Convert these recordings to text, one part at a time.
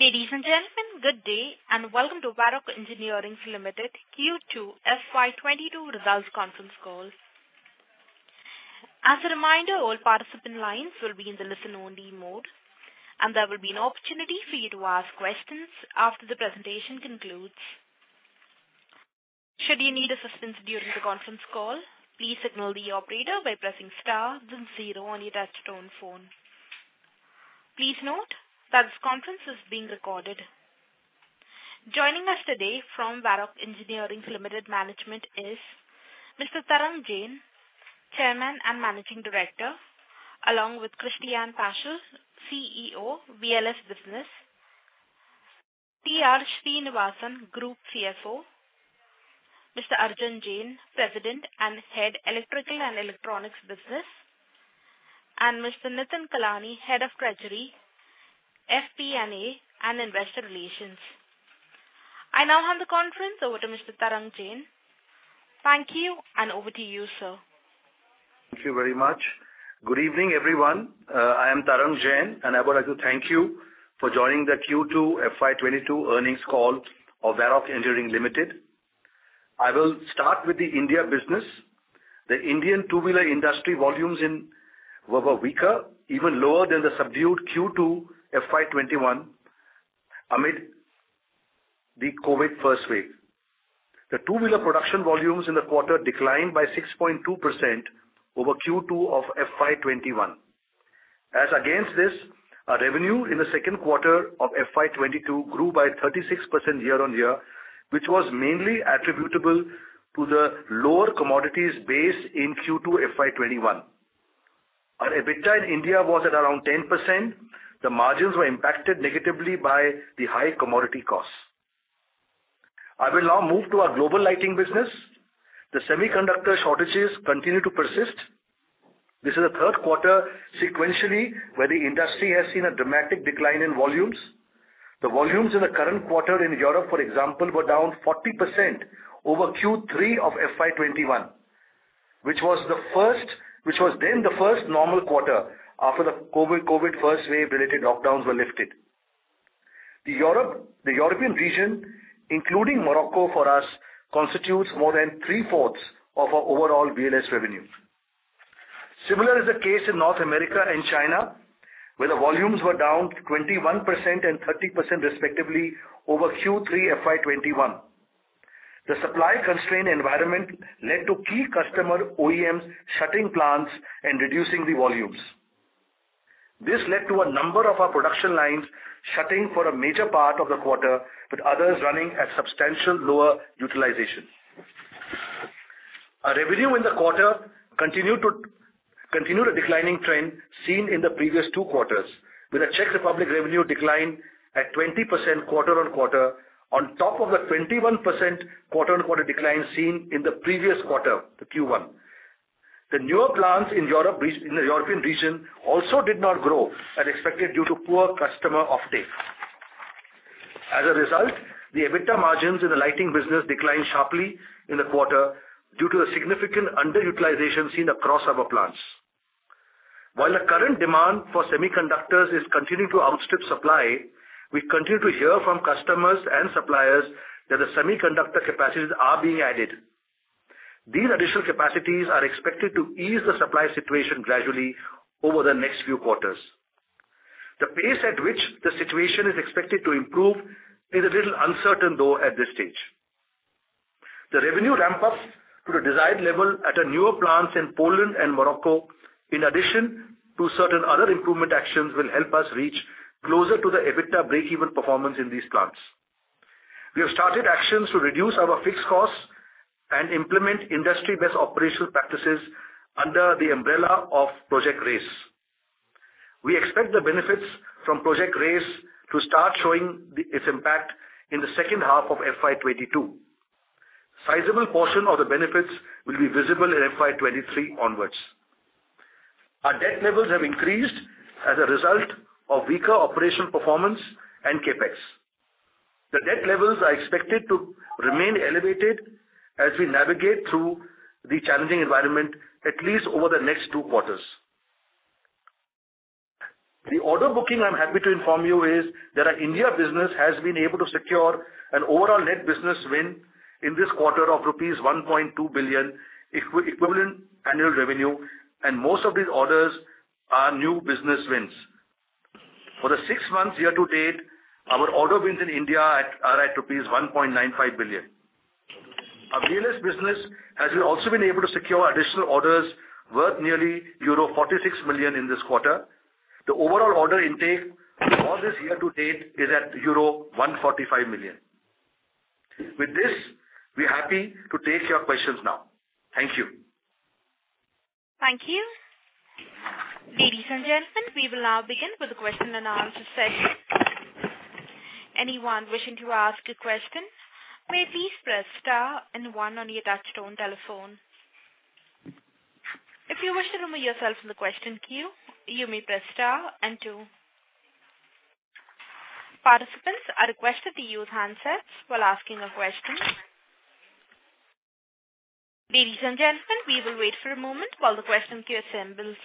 Ladies, and gentlemen, good day, and welcome to Varroc Engineering Limited Q2 FY 2022 Results Conference Call. As a reminder, all participant lines will be in the listen-only mode, and there will be an opportunity for you to ask questions after the presentation concludes. Should you need assistance during the conference call, please signal the operator by pressing star then zero on your touchtone phone. Please note that this conference is being recorded. Joining us today from Varroc Engineering Limited management is Mr. Tarang Jain, Chairman and Managing Director, along with Christian Päschel, CEO VLS Business, T.R. Srinivasan, Group CFO, Mr. Arjun Jain, President and Head Electrical and Electronics Business, and Mr. Nitin Kalani, Head of Treasury, FP&A, and Investor Relations. I now hand the conference over to Mr. Tarang Jain. Thank you, and over to you, sir. Thank you very much. Good evening, everyone. I am Tarang Jain, and I would like to thank you for joining the Q2 FY 2022 earnings call of Varroc Engineering Limited. I will start with the India business. The Indian two-wheeler industry volumes in were weaker, even lower than the subdued Q2 FY 2021 amid the COVID first wave. The two-wheeler production volumes in the quarter declined by 6.2% over Q2 of FY 2021. As against this, our revenue in the second quarter of FY 2022 grew by 36% year-on-year, which was mainly attributable to the lower commodities base in Q2 FY 2021. Our EBITDA in India was at around 10%. The margins were impacted negatively by the high commodity costs. I will now move to our global lighting business. The semiconductor shortages continue to persist. This is the third quarter sequentially where the industry has seen a dramatic decline in volumes. The volumes in the current quarter in Europe, for example, were down 40% over Q3 of FY 2021, which was then the first normal quarter after the COVID first wave-related lockdowns were lifted. The European region, including Morocco for us, constitutes more than 3/4 of our overall VLS revenue. Similar is the case in North America and China, where the volumes were down 21% and 30% respectively over Q3 FY 2021. The supply-constrained environment led to key customer OEMs shutting plants and reducing the volumes. This led to a number of our production lines shutting for a major part of the quarter, with others running at substantial lower utilization. Our revenue in the quarter continued a declining trend seen in the previous two quarters, with the Czech Republic revenue decline at 20% quarter-on-quarter on top of the 21% quarter-on-quarter decline seen in the previous quarter, the Q1. The newer plants in the European region also did not grow as expected due to poor customer offtake. As a result, the EBITDA margins in the lighting business declined sharply in the quarter due to a significant underutilization seen across our plants. While the current demand for semiconductors is continuing to outstrip supply, we continue to hear from customers and suppliers that the semiconductor capacities are being added. These additional capacities are expected to ease the supply situation gradually over the next few quarters. The pace at which the situation is expected to improve is a little uncertain, though, at this stage. The revenue ramp-ups to the desired level at our newer plants in Poland and Morocco, in addition to certain other improvement actions, will help us reach closer to the EBITDA breakeven performance in these plants. We have started actions to reduce our fixed costs and implement industry-best operational practices under the umbrella of Project RACE. We expect the benefits from Project RACE to start showing its impact in the second half of FY 2022. Sizable portion of the benefits will be visible in FY 2023 onwards. Our debt levels have increased as a result of weaker operational performance and CapEx. The debt levels are expected to remain elevated as we navigate through the challenging environment, at least over the next two quarters. The order booking, I'm happy to inform you, is that our India business has been able to secure an overall net business win in this quarter of rupees 1.2 billion equivalent annual revenue, and most of these orders are new business wins. For the six months year-to-date, our order wins in India are at rupees 1.95 billion. Our VLS business has also been able to secure additional orders worth nearly euro 46 million in this quarter. The overall order intake for this year-to-date is at euro 145 million. With this, we're happy to take your questions now. Thank you. Thank you. Ladies, and gentlemen, we will now begin with the question-and-answer session. Anyone wishing to ask a question may please press star and one on your touchtone telephone. If you wish to remove yourself from the question queue, you may press star and two. Participants are requested to use handsets while asking a question. Ladies, and gentlemen, we will wait for a moment while the question queue assembles.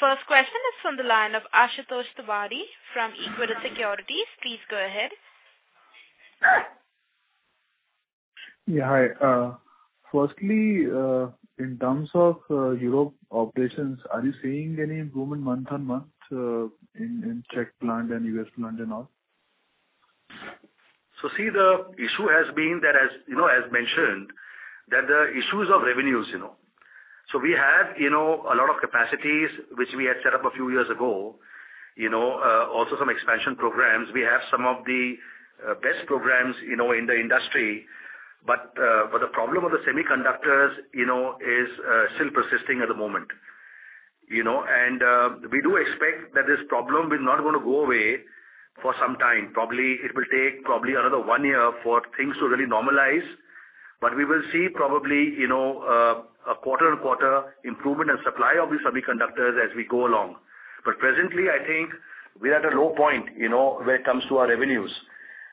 The first question is from the line of Ashutosh Tiwari from Equirus Securities. Please go ahead. Yeah, hi. Firstly, in terms of European operations, are you seeing any improvement month-on-month in Czech plant and U.S. plant and all? The issue has been that, as you know, as mentioned, the issues of revenues, you know. We have, you know, a lot of capacities which we had set up a few years ago, you know, also some expansion programs. We have some of the best programs, you know, in the industry. But the problem of the semiconductors, you know, is still persisting at the moment, you know. We do expect that this problem is not gonna go away for some time. It will take another one year for things to really normalize, but we will see, probably, you know, a quarter-on-quarter improvement and supply of the semiconductors as we go along. Presently, I think we are at a low point, you know, when it comes to our revenues,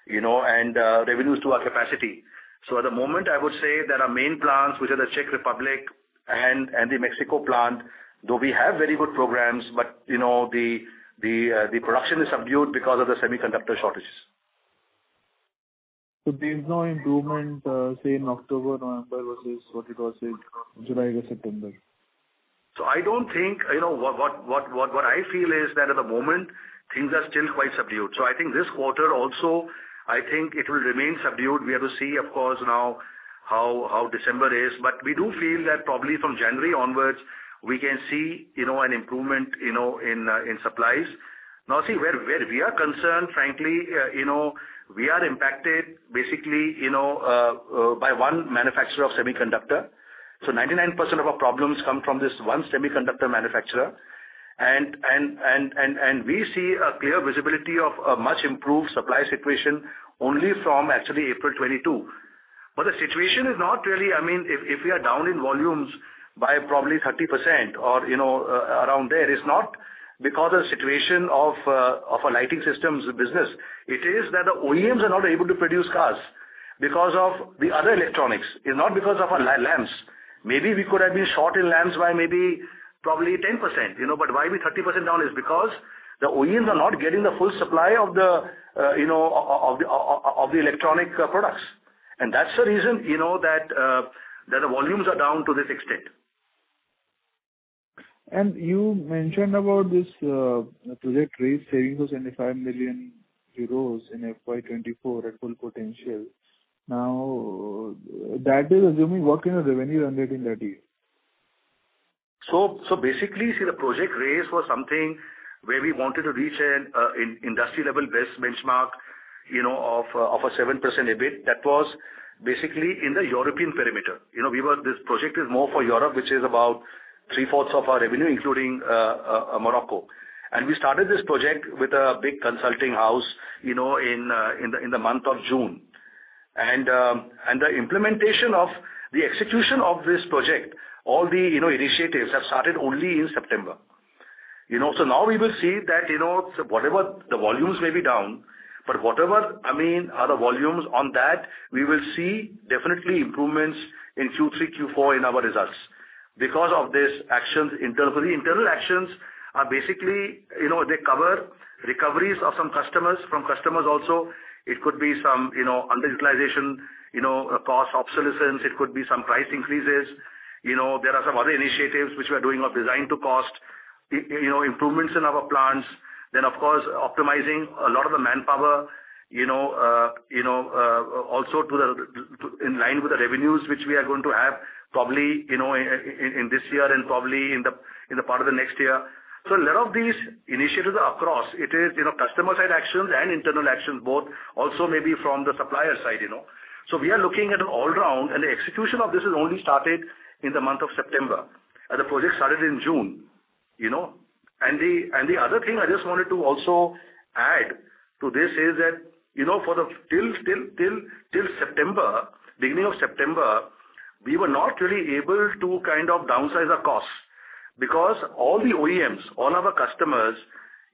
you know, and revenues to our capacity. At the moment, I would say that our main plants, which are the Czech Republic and the Mexico plant, though we have very good programs, but you know, the production is subdued because of the semiconductor shortages. There is no improvement, say in October, November versus what it was in July to September? I don't think. You know, what I feel is that at the moment things are still quite subdued. I think this quarter also, I think it will remain subdued. We have to see of course now how December is. But we do feel that probably from January onwards we can see, you know, an improvement, you know, in supplies. Now see where we are concerned, frankly, you know, we are impacted basically, you know, by one manufacturer of semiconductor. 99% of our problems come from this one semiconductor manufacturer. And we see a clear visibility of a much improved supply situation only from actually April 2022. The situation is not really, I mean, if we are down in volumes by probably 30% or, you know, around there, it's not because of the situation of a lighting systems business. It is that the OEMs are not able to produce cars because of the other electronics. It's not because of our lamps. Maybe we could have been short in lamps by maybe probably 10%, you know. Why we 30% down is because the OEMs are not getting the full supply of the, you know, of the electronic products. That's the reason, you know, that the volumes are down to this extent. You mentioned about this Project RACE savings of 75 million euros in FY 2024 at full potential. Now, that is assuming what kind of revenue run rate in that year? Basically, the Project RACE was something where we wanted to reach an in-industry level best benchmark, you know, of a 7% EBIT. That was basically in the European perimeter. This project is more for Europe, which is about 3/4 of our revenue, including Morocco. We started this project with a big consulting house, you know, in the month of June. The implementation of the execution of this project, all the initiatives have started only in September, you know. Now we will see that, you know, whatever the volumes may be down, but whatever, I mean, are the volumes on that, we will see definitely improvements in Q3, Q4 in our results because of these actions internally. Internal actions are basically they cover recoveries from some customers, from customers also. It could be some underutilization, cost obsolescence, it could be some price increases. There are some other initiatives which we are doing of design to cost, improvements in our plants. Then of course, optimizing a lot of the manpower also in line with the revenues which we are going to have probably in this year and probably in the part of the next year. So a lot of these initiatives are across customer side actions and internal actions both also maybe from the supplier side. We are looking at all round, and the execution of this has only started in the month of September, and the project started in June, you know. The other thing I just wanted to also add to this is that, you know, for the till September, beginning of September, we were not really able to kind of downsize our costs because all the OEMs, all our customers,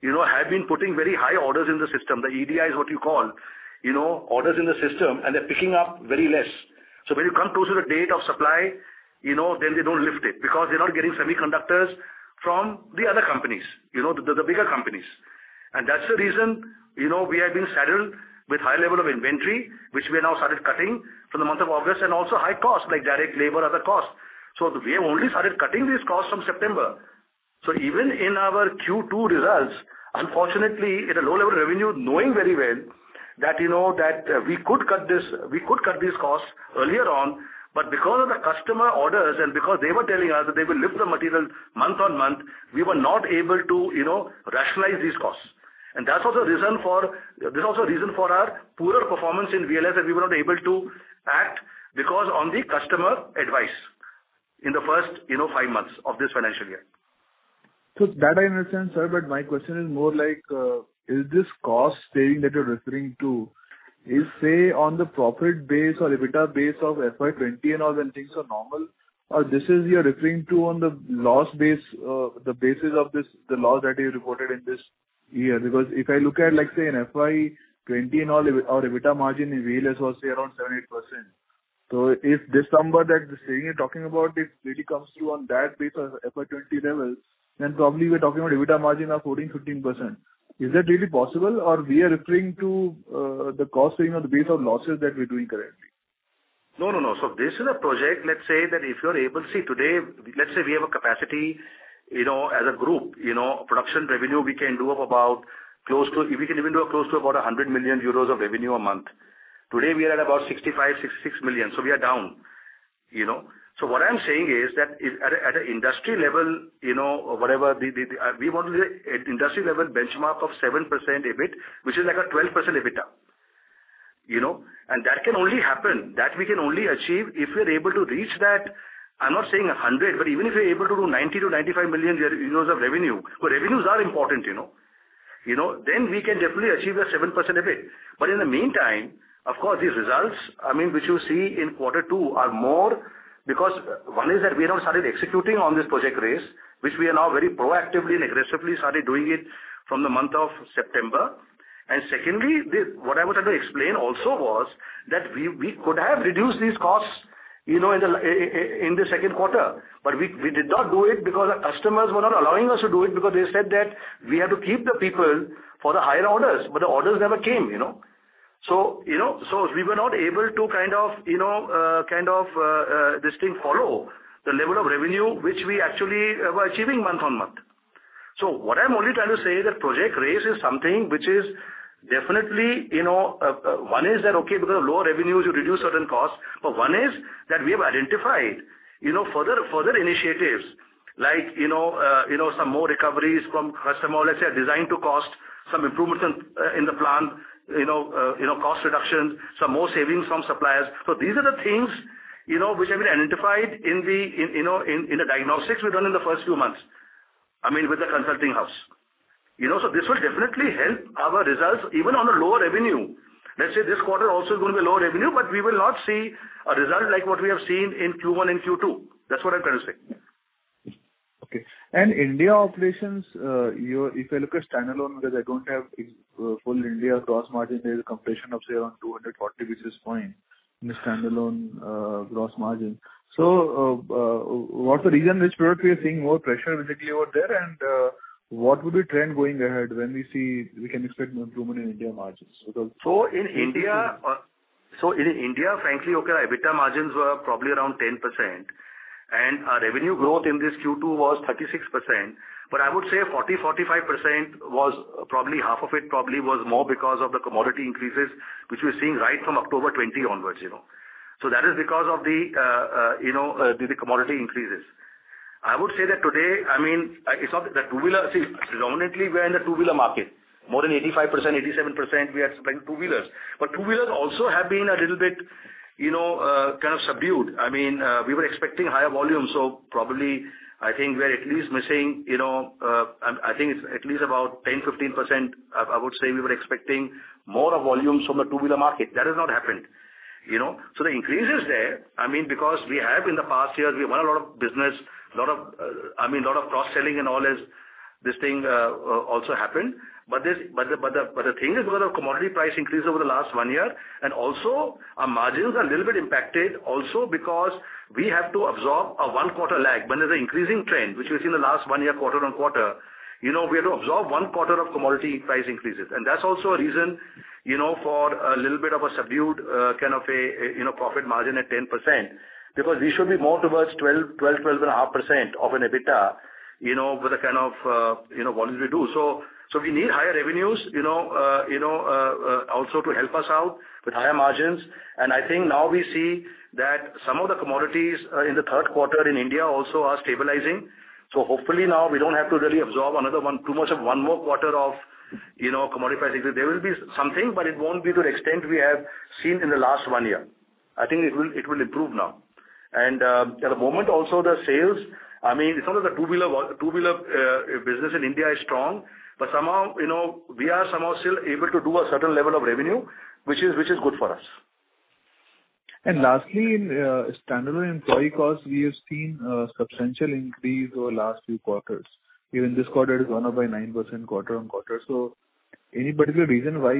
you know, have been putting very high orders in the system. The EDI is what you call, you know, orders in the system, and they're picking up very less. When you come closer to the date of supply, you know, then they don't lift it because they're not getting semiconductors from the other companies, you know, the bigger companies. That's the reason, you know, we have been saddled with high level of inventory, which we have now started cutting from the month of August, and also high costs like direct labor, other costs. We have only started cutting these costs from September. Even in our Q2 results, unfortunately at a low level revenue, knowing very well that, you know, that, we could cut this, we could cut these costs earlier on, but because of the customer orders and because they were telling us that they will lift the material month on month, we were not able to, you know, rationalize these costs. That's also a reason for our poorer performance in VLS, that we were not able to act because of the customer advice in the first, you know, five months of this financial year. That I understand, sir, but my question is more like, is this cost saving that you're referring to, say, on the profit base or EBITDA base of FY 2020 when things are normal, or this is you're referring to on the loss base, the basis of this, the loss that you reported in this year. Because if I look at, like, say, in FY 2020, our EBITDA margin in VLS was say around 7%-8%. If this number that you're saying you're talking about it really comes through on that basis, FY 2020 levels, then probably we're talking about EBITDA margin of 14%-15%. Is that really possible, or we are referring to the costing of the base of losses that we're doing currently? No, no. This is a project, let's say, that if you're able to. See, today, let's say we have a capacity, you know, as a group, you know, production revenue we can do of about close to. We can even do close to about 100 million euros of revenue a month. Today, we are at about 65 million-66 million, so we are down, you know. What I'm saying is that at a, at an industry level, you know, whatever we want to say at industry level benchmark of 7% EBIT, which is like a 12% EBITDA, you know. That can only happen if we are able to reach that. I'm not saying 100 million, but even if we're able to do 90 million-95 million euros of revenue, but revenues are important, you know. You know, we can definitely achieve that 7% EBIT. In the meantime, of course, these results, I mean, which you see in quarter two are more because one is that we now started executing on this Project RACE, which we are now very proactively and aggressively started doing it from the month of September. Secondly, what I was trying to explain also was that we could have reduced these costs, you know, in the second quarter, but we did not do it because our customers were not allowing us to do it because they said that we had to keep the people for the higher orders, but the orders never came, you know. We were not able to kind of follow the level of revenue which we actually were achieving month-on-month. What I'm only trying to say is that Project RACE is something which is definitely, because of lower revenues, you reduce certain costs. But we have identified further initiatives like some more recoveries from customer, let's say, design to cost, some improvements in the plant, cost reductions, some more savings from suppliers. These are the things which have been identified in the diagnostics we've done in the first few months, I mean, with the consulting house. You know, this will definitely help our results even on a lower revenue. Let's say this quarter also is gonna be lower revenue, but we will not see a result like what we have seen in Q1 and Q2. That's what I'm trying to say. India operations, if I look at standalone, because I don't have full India gross margin, there's a compression of say around 240 basis points in the standalone gross margin. What's the reason which we are seeing more pressure basically over there? What would be trend going ahead when we see we can expect improvement in India margins? Because... In India, frankly, okay, our EBITDA margins were probably around 10%. Our revenue growth in this Q2 was 36%. I would say 40%-45% was probably half of it probably was more because of the commodity increases, which we're seeing right from October 2020 onwards, you know. That is because of the commodity increases. I would say that today, I mean, it's not that two-wheeler. See, predominantly we're in the two-wheeler market. More than 85%, 87%, we are selling two-wheelers. Two-wheelers also have been a little bit, you know, kind of subdued. I mean, we were expecting higher volumes, so probably I think we're at least missing, you know, I think it's at least about 10%-15%. I would say we were expecting more of volumes from the two-wheeler market. That has not happened, you know. The increase is there, I mean, because we have in the past years, we won a lot of business, lot of cross-selling and all this thing also happened. The thing is because of commodity price increase over the last one year, and also our margins are a little bit impacted also because we have to absorb a one quarter lag. When there's an increasing trend, which we've seen in the last one year, quarter-on-quarter, you know, we have to absorb one quarter of commodity price increases. That's also a reason, you know, for a little bit of a subdued kind of a profit margin at 10%. Because we should be more towards 12.5% of an EBITDA, you know, with the kind of you know volumes we do. We need higher revenues, you know, also to help us out with higher margins. I think now we see that some of the commodities in the third quarter in India also are stabilizing. Hopefully now we don't have to really absorb another one, too much of one more quarter of, you know, commodity hit. There will be something, but it won't be to the extent we have seen in the last one year. I think it will improve now. At the moment also the sales, I mean, some of the two-wheeler business in India is strong, but somehow, you know, we are somehow still able to do a certain level of revenue, which is good for us. Lastly, in standalone employee costs, we have seen a substantial increase over the last few quarters. Even this quarter, it is gone up by 9% quarter-over-quarter. Any particular reason why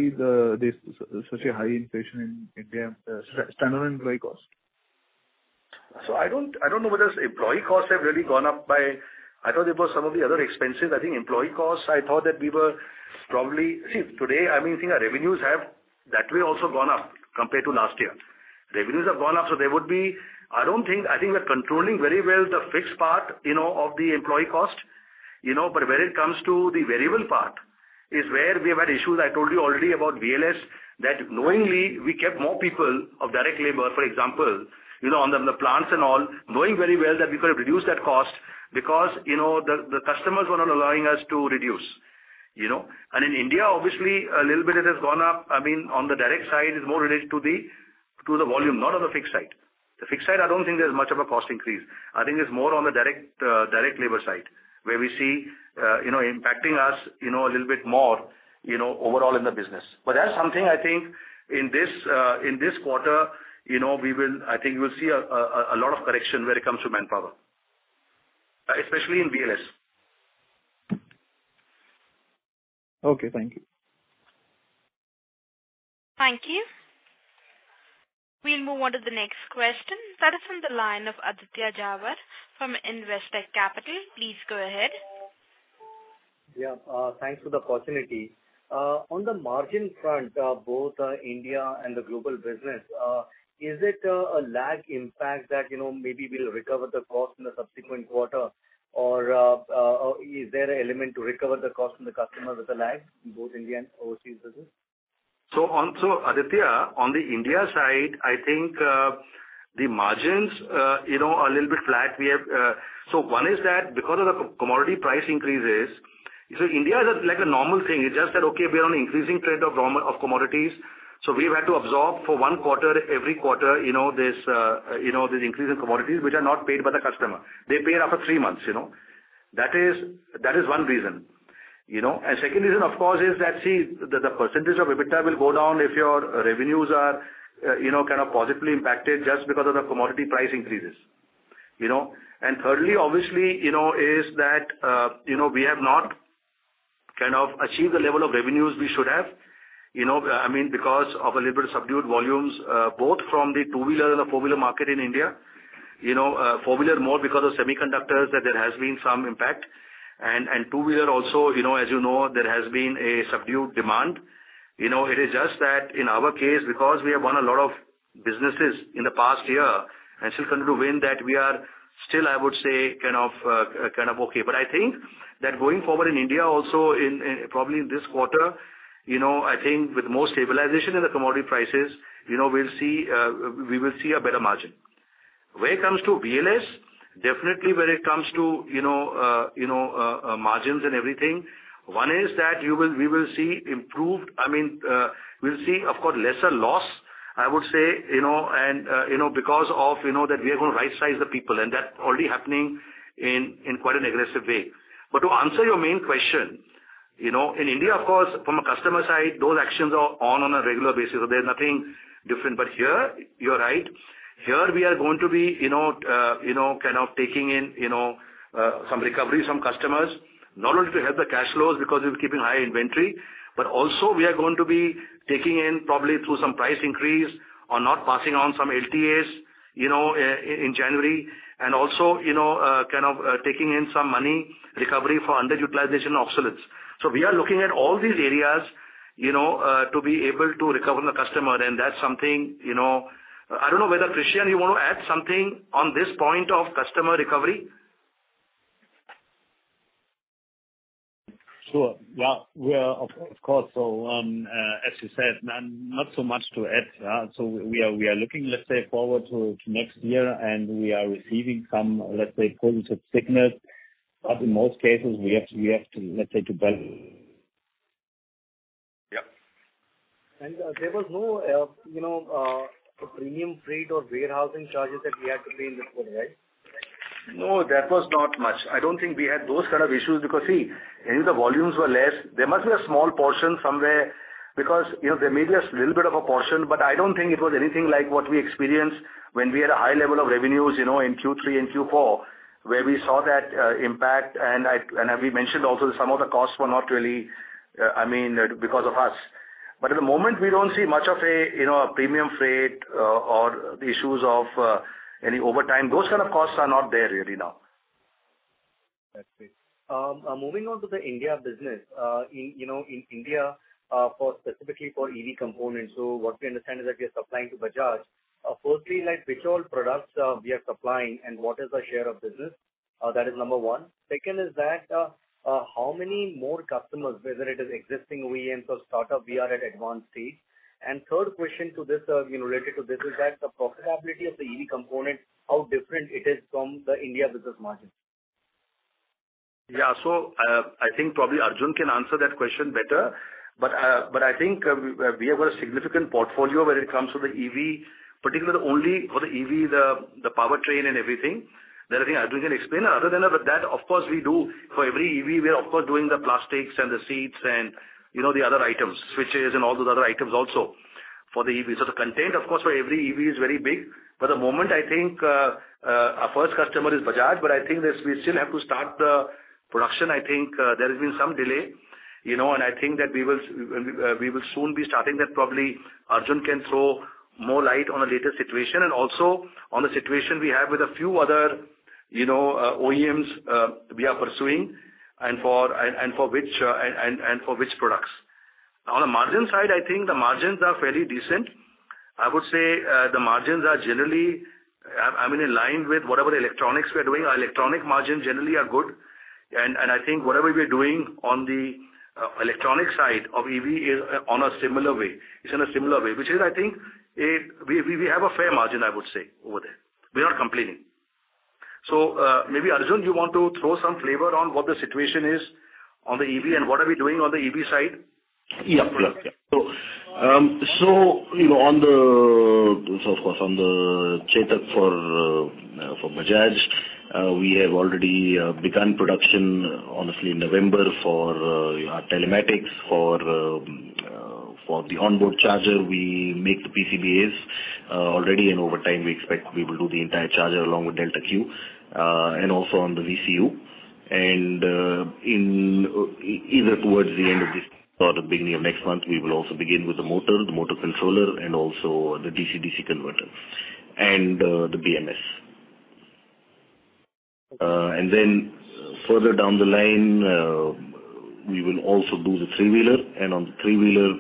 this such a high inflation in India, standalone employee cost? I don't know whether it's employee costs have really gone up by. I thought it was some of the other expenses. I think employee costs, I thought that we were probably. See, today, I mean, I think our revenues have that way also gone up compared to last year. Revenues have gone up, so there would be, I don't think, I think we're controlling very well the fixed part, you know, of the employee cost. You know, but when it comes to the variable part is where we have had issues. I told you already about VLS, that knowingly we kept more people of direct labor, for example, you know, on the plants and all, knowing very well that we could have reduced that cost because, you know, the customers were not allowing us to reduce, you know. In India, obviously, a little bit it has gone up. I mean, on the direct side, it's more related to the volume, not on the fixed side. The fixed side, I don't think there's much of a cost increase. I think it's more on the direct labor side where we see you know impacting us you know a little bit more you know overall in the business. That's something I think in this quarter you know we will. I think you will see a lot of correction when it comes to manpower, especially in VLS. Okay. Thank you. Thank you. We'll move on to the next question. That is from the line of Aditya Jhawar from Investec Capital. Please go ahead. Yeah. Thanks for the opportunity. On the margin front, both India and the global business, is it a lag impact that, you know, maybe we'll recover the cost in the subsequent quarter? Is there an element to recover the cost from the customer with a lag in both India and overseas business? Aditya, on the India side, I think the margins, you know, are a little bit flat. We have one is that because of the commodity price increases, you see India is like a normal thing. It's just that, okay, we are on an increasing trend of commodities, so we've had to absorb for one quarter, every quarter, you know, this increase in commodities which are not paid by the customer. They pay after three months, you know. That is one reason, you know. Second reason of course is that, see, the percentage of EBITDA will go down if your revenues are, you know, kind of positively impacted just because of the commodity price increases, you know. Thirdly, obviously, you know, is that, you know, we have not kind of achieved the level of revenues we should have. You know, I mean, because of a little bit subdued volumes, both from the two-wheeler and the four-wheeler market in India. You know, four-wheeler more because of semiconductors, that there has been some impact. And two-wheeler also, you know, as you know, there has been a subdued demand. You know, it is just that in our case because we have won a lot of businesses in the past year and still continue to win, that we are still, I would say, kind of okay. But I think that going forward in India also in probably in this quarter, you know, I think with more stabilization in the commodity prices, you know, we'll see, we will see a better margin. Where it comes to VLS, definitely when it comes to, you know, you know, margins and everything, one is that we will see improved. I mean, we'll see of course lesser loss, I would say, you know, and, you know, because of, you know, that we are gonna rightsize the people, and that's already happening in quite an aggressive way. To answer your main question, you know, in India of course from a customer side, those actions are on a regular basis, so there's nothing different. Here, you're right. Here we are going to be, you know, kind of taking in some recovery from customers, not only to help the cash flows because we're keeping high inventory, but also we are going to be taking in probably through some price increase or not passing on some LTAs, you know, in January. Also, you know, kind of taking in some money recovery for underutilization obsolescence. We are looking at all these areas, you know, to be able to recover from the customer and that's something, you know. I don't know whether Christian you want to add something on this point of customer recovery. Sure. Yeah, we are of course. As you said, not so much to add. We are looking, let's say, forward to next year and we are receiving some, let's say, positive signals. In most cases we have to, let's say, balance. Yeah. There was no, you know, premium freight or warehousing charges that we had to pay in this quarter, right? No, that was not much. I don't think we had those kind of issues because see, I think the volumes were less. There must be a small portion somewhere because, you know, there may be a little bit of a portion, but I don't think it was anything like what we experienced when we had a high level of revenues, you know, in Q3 and Q4, where we saw that impact. As we mentioned also some of the costs were not really, I mean, because of us. At the moment we don't see much of a, you know, a premium freight or the issues of any overtime. Those kind of costs are not there really now. I see. Moving on to the India business. You know, in India, for specifically for EV components. What we understand is that we are supplying to Bajaj. Firstly, like which all products we are supplying and what is the share of business? That is number one. Second is that, how many more customers, whether it is existing OEMs or startup we are at advanced stage. Third question to this, you know, related to this is that the profitability of the EV component, how different it is from the India business margin? Yeah. I think probably Arjun can answer that question better. I think we have a significant portfolio when it comes to the EV, particularly for the EV, the powertrain and everything. That I think Arjun can explain. Other than that, of course we do for every EV we are of course doing the plastics and the seats and, you know, the other items, switches and all those other items also for the EV. The content of course for every EV is very big. For the moment I think our first customer is Bajaj, but I think that we still have to start the production. I think there has been some delay, you know, and I think that we will soon be starting that probably. Arjun can throw more light on the latest situation and also on the situation we have with a few other, you know, OEMs we are pursuing and for which products. On the margin side, I think the margins are fairly decent. I would say the margins are generally, I mean, in line with whatever electronics we are doing. Our electronic margins generally are good. I think whatever we are doing on the electronic side of EV is in a similar way. Which is, I think, we have a fair margin I would say over there. We are not complaining. Maybe Arjun, you want to throw some flavor on what the situation is on the EV and what are we doing on the EV side? Yeah. You know, of course, on the Chetak for Bajaj, we have already begun production honestly in November for you know, telematics for the onboard charger. We make the PCBAs already and over time, we expect to be able to do the entire charger along with Delta-Q, and also on the VCU. In either towards the end of this or the beginning of next month, we will also begin with the motor, the motor controller, and also the DC-DC converter and the BMS. Further down the line, we will also do the three-wheeler, and on the three-wheeler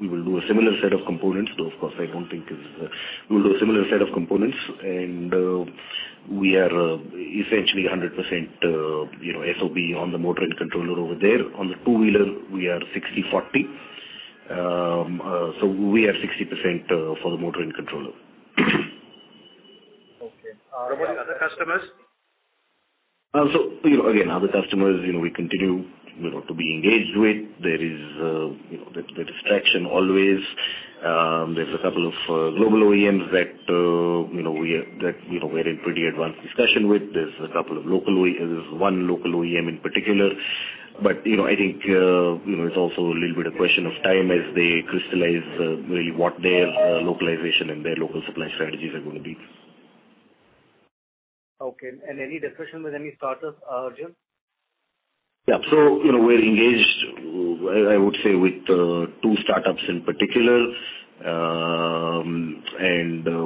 we will do a similar set of components, though of course, I don't think is. We'll do a similar set of components and we are essentially 100%, you know, SOP on the motor and controller over there. On the two-wheeler, we are 60/40. We are 60% for the motor and controller. Okay. What about other customers? You know, again, other customers, you know, we continue, you know, to be engaged with. There is you know, the distraction always. There's a couple of global OEMs that you know, we're in pretty advanced discussion with. There's a couple of local OEMs, one local OEM in particular. You know, I think you know, it's also a little bit a question of time as they crystallize really what their localization and their local supply strategies are gonna be. Okay. Any discussion with any startups, Arjun? Yeah. You know, we're engaged, I would say, with two startups in particular.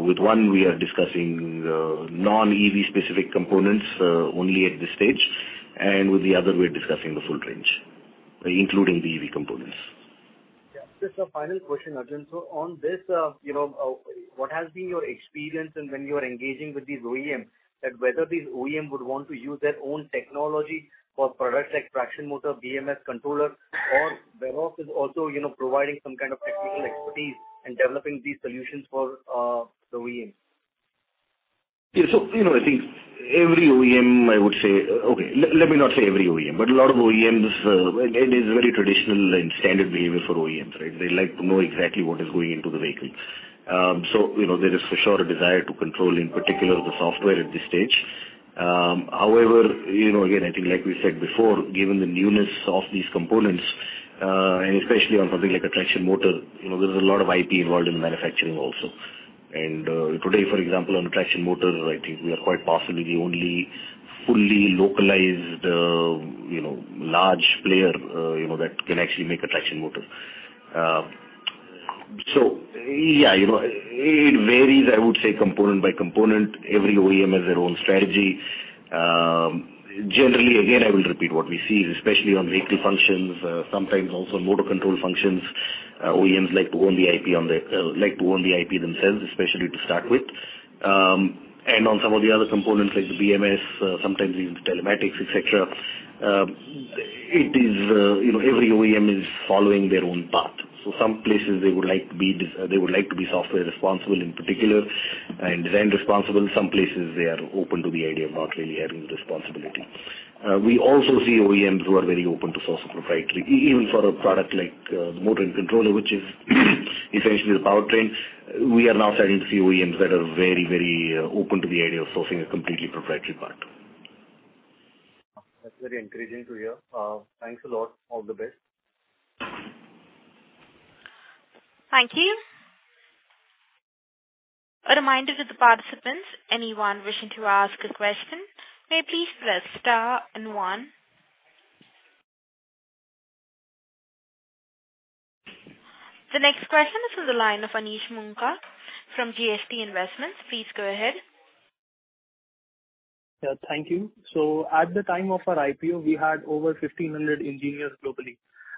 With one we are discussing non-EV specific components only at this stage. With the other, we are discussing the full range, including the EV components. Yeah. Just a final question, Arjun. On this, what has been your experience and when you are engaging with these OEM, that whether these OEM would want to use their own technology for products like traction motor, BMS, controller, or Varroc is also providing some kind of technical expertise and developing these solutions for the OEM? Yeah, you know, I think every OEM, I would say. Okay, let me not say every OEM, but a lot of OEMs, it is very traditional and standard behavior for OEMs, right? They like to know exactly what is going into the vehicle. You know, there is for sure a desire to control, in particular, the software at this stage. However, you know, again, I think like we said before, given the newness of these components, and especially on something like a traction motor, you know, there's a lot of IP involved in manufacturing also. Today, for example, on a traction motor, I think we are quite possibly the only fully localized, you know, large player, you know, that can actually make a traction motor. Yeah, you know, it varies, I would say, component by component. Every OEM has their own strategy. Generally, again, I will repeat what we see, especially on vehicle functions, sometimes also motor control functions, OEMs like to own the IP themselves, especially to start with. On some of the other components like the BMS, sometimes even the telematics, et cetera, it is, you know, every OEM is following their own path. Some places they would like to be software responsible in particular and design responsible. Some places they are open to the idea of not really having the responsibility. We also see OEMs who are very open to sourcing proprietary. Even for a product like the motor and controller, which is essentially the powertrain, we are now starting to see OEMs that are very, very open to the idea of sourcing a completely proprietary part. That's very encouraging to hear. Thanks a lot. All the best. Thank you. A reminder to the participants, anyone wishing to ask a question, may please press star and one. The next question is from the line of Anish Moonka from JST Investments. Please go ahead. Yeah, thank you. At the time of our IPO, we had over 1,500 engineers globally.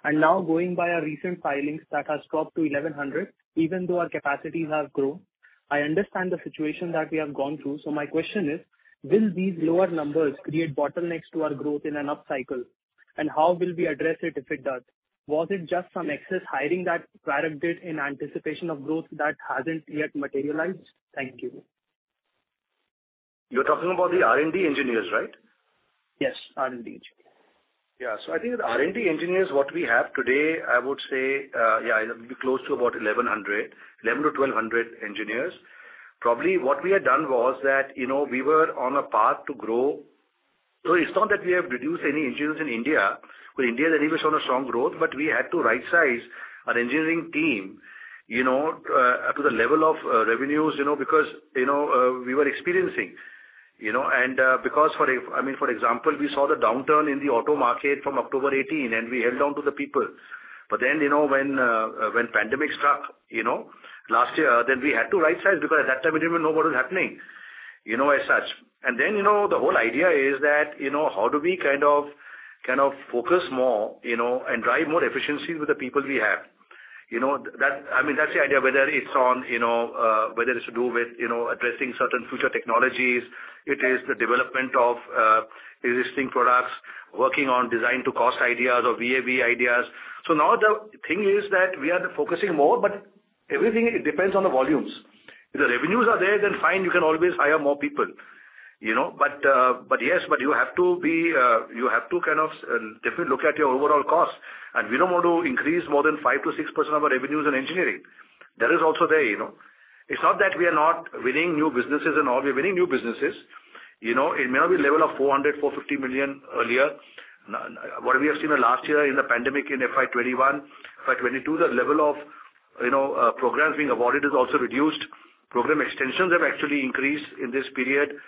Now going by our recent filings, that has dropped to 1,100, even though our capacities have grown. I understand the situation that we have gone through. My question is, will these lower numbers create bottlenecks to our growth in an upcycle? How will we address it if it does? Was it just some excess hiring that Varroc did in anticipation of growth that hasn't yet materialized? Thank you. You're talking about the R&D engineers, right? Yes, R&D engineers. I think the R&D engineers what we have today I would say it'll be close to about 1,100, 1,100 to 1,200 engineers. Probably what we had done was that you know we were on a path to grow. It's not that we have reduced any engineers in India because India anyways on a strong growth but we had to rightsize an engineering team you know to the level of revenues you know because you know we were experiencing you know. I mean for example we saw the downturn in the auto market from October 2018 and we held on to the people. When pandemic struck you know last year then we had to rightsize because at that time we didn't know what was happening you know as such. Then, you know, the whole idea is that, you know, how do we kind of focus more, you know, and drive more efficiencies with the people we have? You know, that, I mean, that's the idea, whether it's on, you know, whether it's to do with, you know, addressing certain future technologies. It is the development of existing products, working on design to cost ideas or VAVE ideas. Now the thing is that we are focusing more. Everything, it depends on the volumes. If the revenues are there, then fine, you can always hire more people, you know. But yes, you have to kind of definitely look at your overall cost. We don't want to increase more than 5%-6% of our revenues in engineering. That is also there, you know. It's not that we are not winning new businesses and all. We are winning new businesses. You know, it may not be level of 400 million-450 million earlier. What we have seen in last year in the pandemic in FY 2021, but when you do the level of, you know, programs being awarded is also reduced. Program extensions have actually increased in this period.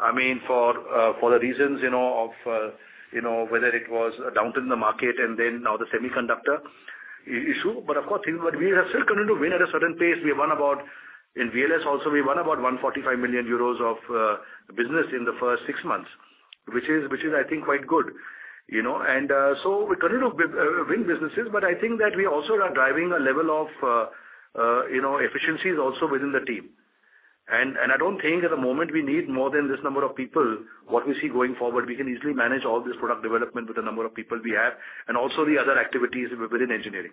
I mean, for the reasons, you know, of, you know, whether it was a downturn in the market and then now the semiconductor issue. But of course, we have still continued to win at a certain pace. We have won about. In VLS also, we won about 145 million euros of business in the first six months, which is I think quite good, you know? We continue to win businesses, but I think that we also are driving a level of, you know, efficiencies also within the team. I don't think at the moment we need more than this number of people what we see going forward. We can easily manage all this product development with the number of people we have and also the other activities within engineering.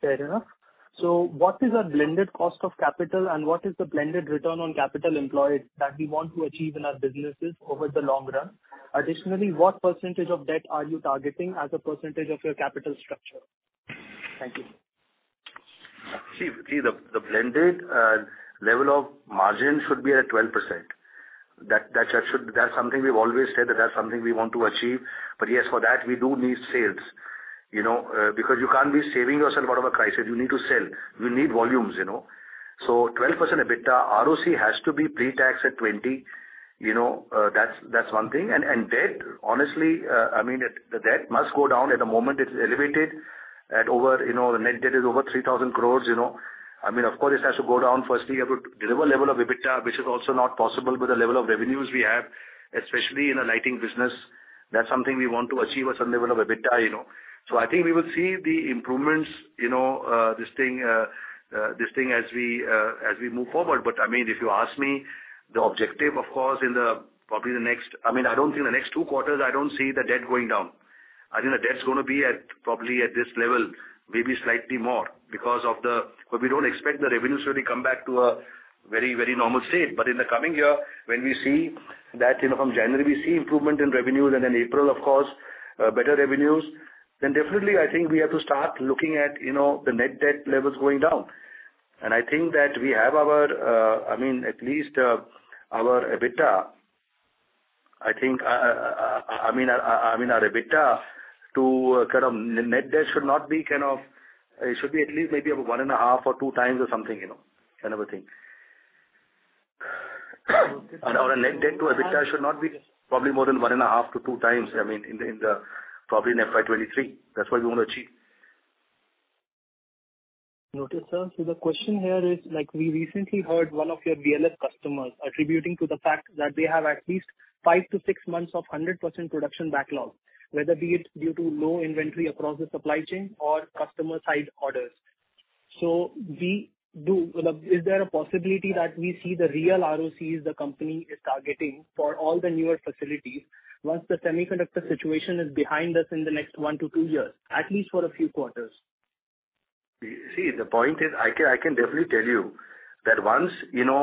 Fair enough. What is our blended cost of capital and what is the blended return on capital employed that we want to achieve in our businesses over the long run? Additionally, what percentage of debt are you targeting as a percentage of your capital structure? Thank you. The blended level of margin should be at 12%. That should. That's something we've always said, that's something we want to achieve. Yes, for that, we do need sales, you know, because you can't be saving yourself out of a crisis. You need to sell. We need volumes, you know. 12% EBITDA, ROC has to be pre-tax at 20, you know, that's one thing. Debt, honestly, I mean, the debt must go down. At the moment, it's elevated at over, you know, the net debt is over 3,000 crore, you know. I mean, of course, it has to go down. Firstly, you have to deliver level of EBITDA, which is also not possible with the level of revenues we have, especially in the lighting business. That's something we want to achieve a certain level of EBITDA, you know. I think we will see the improvements, you know, this thing as we move forward. I mean, if you ask me the objective, of course, in probably the next, I mean, I don't see in the next two quarters, I don't see the debt going down. I think the debt's gonna be at probably this level, maybe slightly more because of the. We don't expect the revenues to really come back to a very, very normal state. In the coming year, when we see that, you know, from January, we see improvement in revenues, and in April, of course, better revenues, then definitely I think we have to start looking at, you know, the net debt levels going down. I think that our EBITDA to net debt should not be kind of, it should be at least maybe 1.5x or 2x or something, you know, kind of a thing. Our net debt-to-EBITDA should not be probably more than 1.5x-2x, I mean, probably in FY 2023. That's what we wanna achieve. Noted, sir. The question here is, like, we recently heard one of your VLS customers attributing to the fact that they have at least five to six months of 100% production backlog, whether be it due to low inventory across the supply chain or customer-side orders. Is there a possibility that we see the real ROCs the company is targeting for all the newer facilities once the semiconductor situation is behind us in the next one to two years, at least for a few quarters? The point is, I can definitely tell you that once you know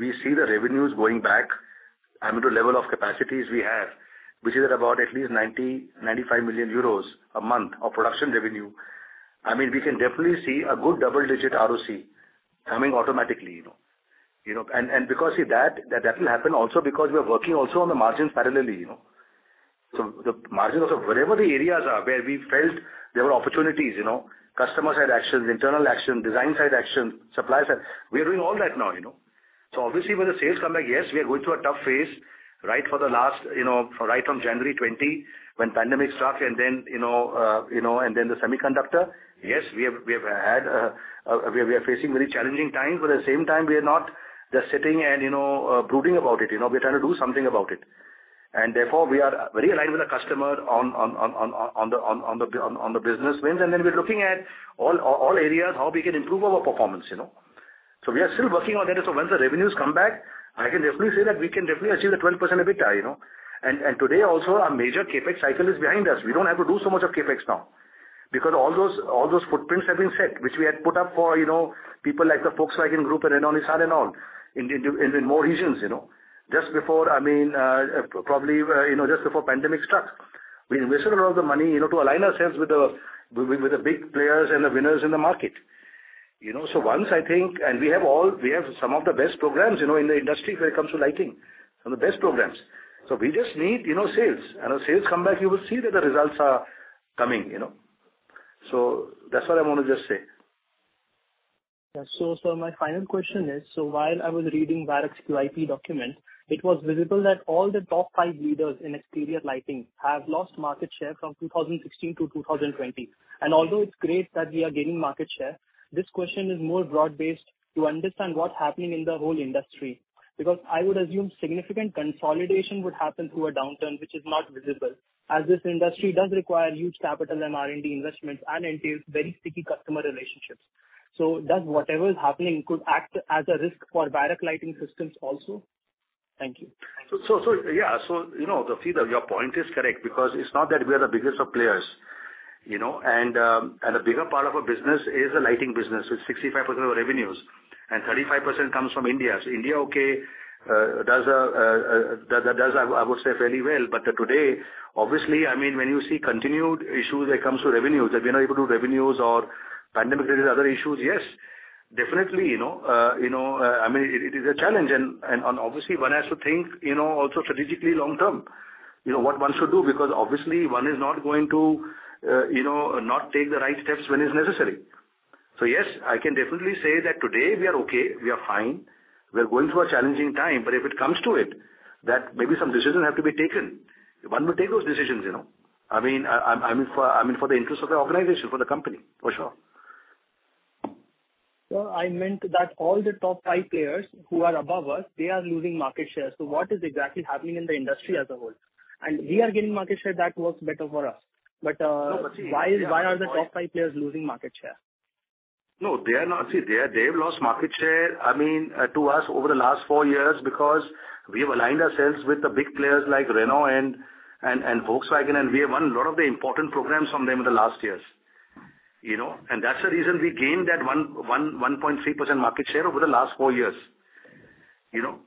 we see the revenues going back, I mean, to level of capacities we have, which is about at least 95 million euros a month of production revenue, I mean, we can definitely see a good double-digit ROC coming automatically, you know. You know, and because, see, that will happen also because we are working also on the margins parallelly, you know. The margins of wherever the areas are where we felt there were opportunities, you know, customer side actions, internal action, design side action, supplier side, we are doing all that now, you know. Obviously, when the sales come back, yes, we are going through a tough phase, right for the last, you know, right from January 2020 when the pandemic struck and then, you know, and then the semiconductor. Yes, we are facing very challenging times, but at the same time, we are not just sitting and, you know, brooding about it, you know. We're trying to do something about it. Therefore, we are very aligned with the customer on the business wins. Then we're looking at all areas, how we can improve our performance, you know. We are still working on that. Once the revenues come back, I can definitely say that we can definitely achieve the 12% EBITDA, you know. Today also our major CapEx cycle is behind us. We don't have to do so much of CapEx now because all those footprints have been set, which we had put up for, you know, people like the Volkswagen Group and Renault Nissan and in more regions, you know. Just before, I mean, probably, you know, just before pandemic struck. We invested a lot of the money, you know, to align ourselves with the big players and the winners in the market, you know. Once I think we have some of the best programs, you know, in the industry when it comes to lighting. Some of the best programs. We just need, you know, sales. When sales come back, you will see that the results are coming, you know. That's what I want to just say. My final question is, while I was reading Varroc's QIP document, it was visible that all the top five leaders in exterior lighting have lost market share from 2016-2020. Although it's great that we are gaining market share, this question is more broad-based to understand what's happening in the whole industry. Because I would assume significant consolidation would happen through a downturn which is not visible, as this industry does require huge capital and R&D investments and entails very sticky customer relationships. Does whatever is happening could act as a risk for Varroc Lighting Systems also? Thank you. Yeah. You know, Anish, your point is correct because it's not that we are the biggest of players, you know. A bigger part of our business is the lighting business. It's 65% of our revenues, and 35% comes from India. India does, I would say, fairly well. Today, obviously, I mean, when you see continued issues that comes to revenues, that we're not able to do revenues or pandemic-related other issues, yes, definitely, you know. You know, I mean, it is a challenge and obviously one has to think, you know, also strategically long-term, you know, what one should do, because obviously one is not going to, you know, not take the right steps when it's necessary. Yes, I can definitely say that today we are okay, we are fine. We are going through a challenging time. If it comes to it, that maybe some decisions have to be taken. One will take those decisions, you know. I mean for the interest of the organization, for the company, for sure. Sir, I meant that all the top five players who are above us, they are losing market share. What is exactly happening in the industry as a whole? We are gaining market share that works better for us. No, but see. Why are the top five players losing market share? No, they are not. See, they've lost market share, I mean, to us over the last four years because we have aligned ourselves with the big players like Renault and Volkswagen, and we have won a lot of the important programs from them in the last years. You know, and that's the reason we gained that 1.3% market share over the last four years. You know?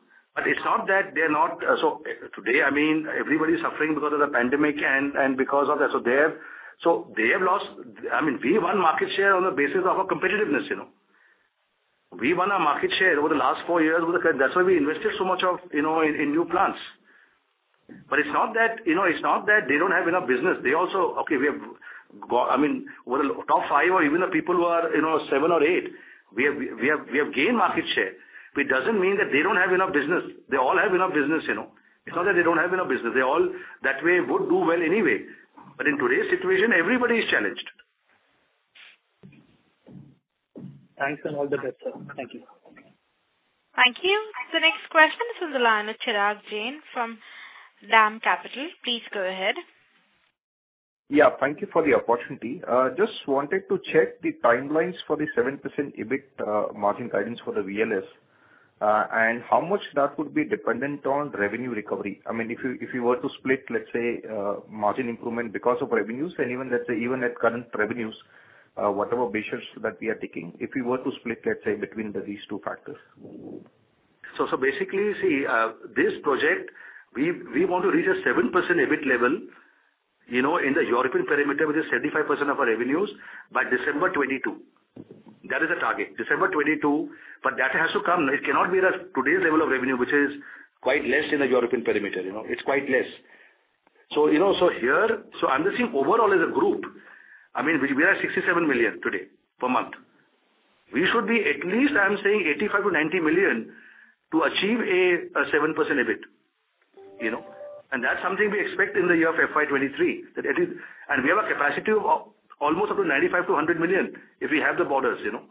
It's not that they're not. So today, I mean, everybody is suffering because of the pandemic and because of that. So they have lost. I mean, we won market share on the basis of our competitiveness, you know. We won our market share over the last four years with the clients. That's why we invested so much of, you know, in new plants. It's not that, you know, it's not that they don't have enough business. They also. Okay, we have got, I mean, over the top five or even the people who are, you know, seven or eight, we have gained market share, which doesn't mean that they don't have enough business. They all have enough business, you know. It's not that they don't have enough business. They all that way would do well anyway. In today's situation, everybody is challenged. Thanks and all the best, sir. Thank you. Thank you. The next question is from the line with Chirag Jain from DAM Capital. Please go ahead. Yeah, thank you for the opportunity. Just wanted to check the timelines for the 7% EBIT margin guidance for the VLS. How much that would be dependent on revenue recovery. I mean, if you were to split, let's say, margin improvement because of revenues and even at current revenues, whatever measures that we are taking, if we were to split, let's say, between these two factors. Basically, see, this project, we want to reach a 7% EBIT level, you know, in the European perimeter, which is 35% of our revenues by December 2022. That is the target, December 2022. That has to come. It cannot be at today's level of revenue, which is quite less in the European perimeter. You know, it's quite less. Here, I'm just seeing overall as a group, I mean, we are 67 million today per month. We should be at least, I am saying 85 million-90 million to achieve a 7% EBIT, you know. That's something we expect in the year of FY 2023. That it is. We have a capacity of almost up to 95 million-100 million if we have the orders, you know.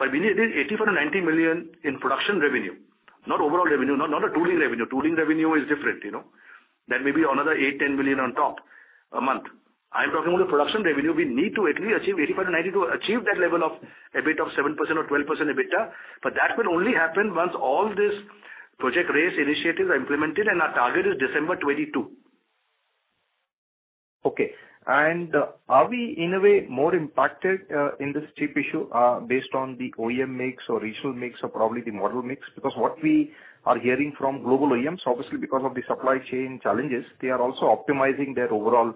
We need 85 million-90 million in production revenue, not overall revenue, not the tooling revenue. Tooling revenue is different, you know. That may be another 8 million-10 million on top a month. I'm talking about the production revenue. We need to at least achieve 85 million-90 million to achieve that level of EBIT of 7% or 12% EBITDA. That will only happen once all this Project RACE initiatives are implemented, and our target is December 2022. Okay. Are we in a way more impacted in this chip issue based on the OEM mix or regional mix or probably the model mix? Because what we are hearing from global OEMs, obviously because of the supply chain challenges, they are also optimizing their overall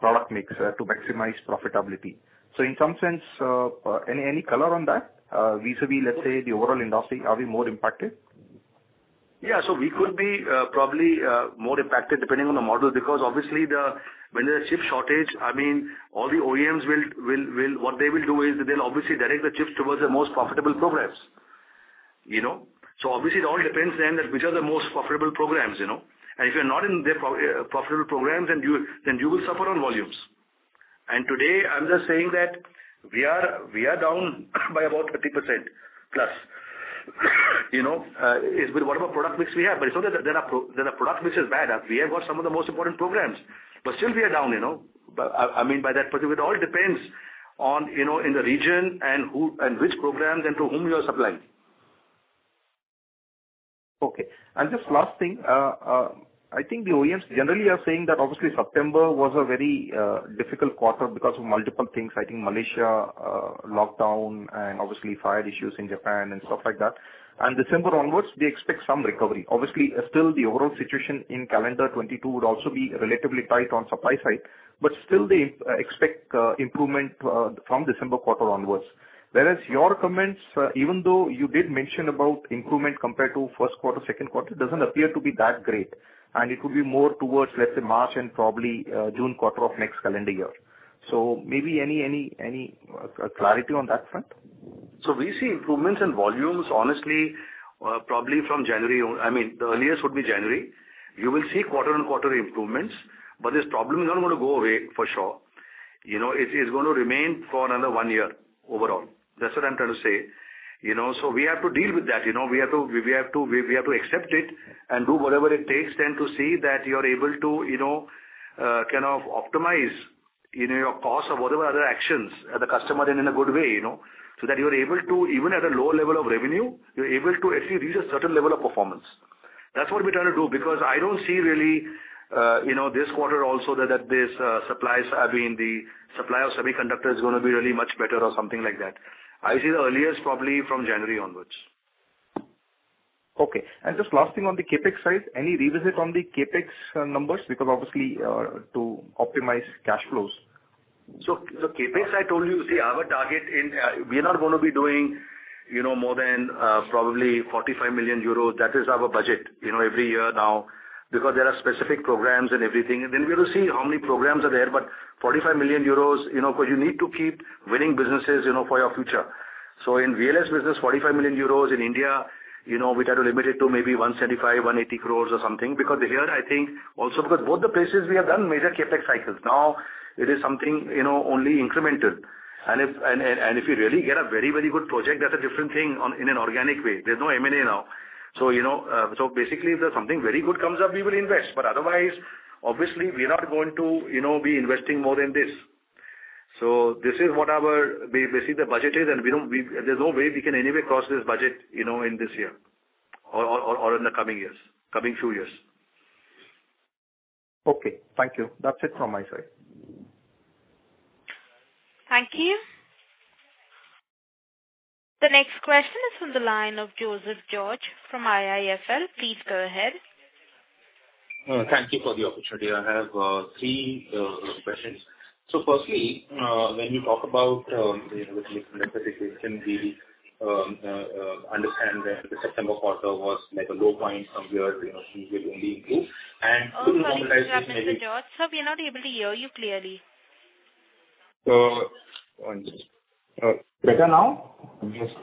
product mix to maximize profitability. In some sense, any color on that vis-à-vis, let's say the overall industry, are we more impacted? We could be probably more impacted depending on the model, because obviously when there's chip shortage, I mean, all the OEMs will direct the chips towards the most profitable programs, you know. Obviously it all depends on which are the most profitable programs, you know. If you're not in their profitable programs, then you will suffer on volumes. Today, I'm just saying that we are down by about 30%+. You know, it is with whatever product mix we have. It's not that our product mix is bad. We have got some of the most important programs, but still we are down, you know. I mean by that, but it all depends on, you know, in the region and who, and which programs and to whom you are supplying. Okay. Just last thing, I think the OEMs generally are saying that obviously September was a very difficult quarter because of multiple things. I think Malaysia lockdown and obviously fire issues in Japan and stuff like that. December onwards, they expect some recovery. Obviously, still the overall situation in calendar 2022 would also be relatively tight on supply side, but still they expect improvement from December quarter onwards. Whereas your comments, even though you did mention about improvement compared to first quarter, second quarter, it doesn't appear to be that great, and it could be more towards, let's say, March and probably June quarter of next calendar year. Maybe any clarity on that front? We see improvements in volumes honestly, probably from January. I mean, the earliest would be January. You will see quarter-on-quarter improvements, but this problem is not gonna go away for sure. You know, it is gonna remain for another one year overall. That's what I'm trying to say. You know, we have to deal with that, you know. We have to accept it and do whatever it takes then to see that you're able to, you know, kind of optimize, you know, your cost of whatever other actions as a customer and in a good way, you know. That you're able to even at a lower level of revenue, you're able to actually reach a certain level of performance. That's what we're trying to do, because I don't see really, you know, this quarter also that the supply of semiconductor is gonna be really much better or something like that. I see the earliest probably from January onwards. Okay. Just last thing on the CapEx side. Any revisit on the CapEx numbers? Because obviously, to optimize cash flows. CapEx, I told you, see, our target. We are not gonna be doing, you know, more than probably 45 million euros. That is our budget, you know, every year now, because there are specific programs and everything. We will see how many programs are there. 45 million euros, you know, because you need to keep winning businesses, you know, for your future. In VLS business, 45 million euros. In India, you know, we try to limit it to maybe 175-180 crores or something. Because here I think also because both the places we have done major CapEx cycles. Now it is something, you know, only incremental. If you really get a very, very good project, that's a different thing in an organic way. There's no M&A now. You know, basically if there's something very good comes up, we will invest. Otherwise, obviously we are not going to, you know, be investing more than this. This is what we see the budget is, and there's no way we can anyway cross this budget, you know, in this year or in the coming few years. Okay. Thank you. That's it from my side. Thank you. The next question is from the line of Joseph George from IIFL. Please go ahead. Thank you for the opportunity. I have three questions. Firstly, when you talk about you know, the semiconductor situation, we understand that the September quarter was like a low point. From here, you know, things will only improve. To normalize this maybe- Oh, George. George, sir, we are not able to hear you clearly. One second. Better now? I'm just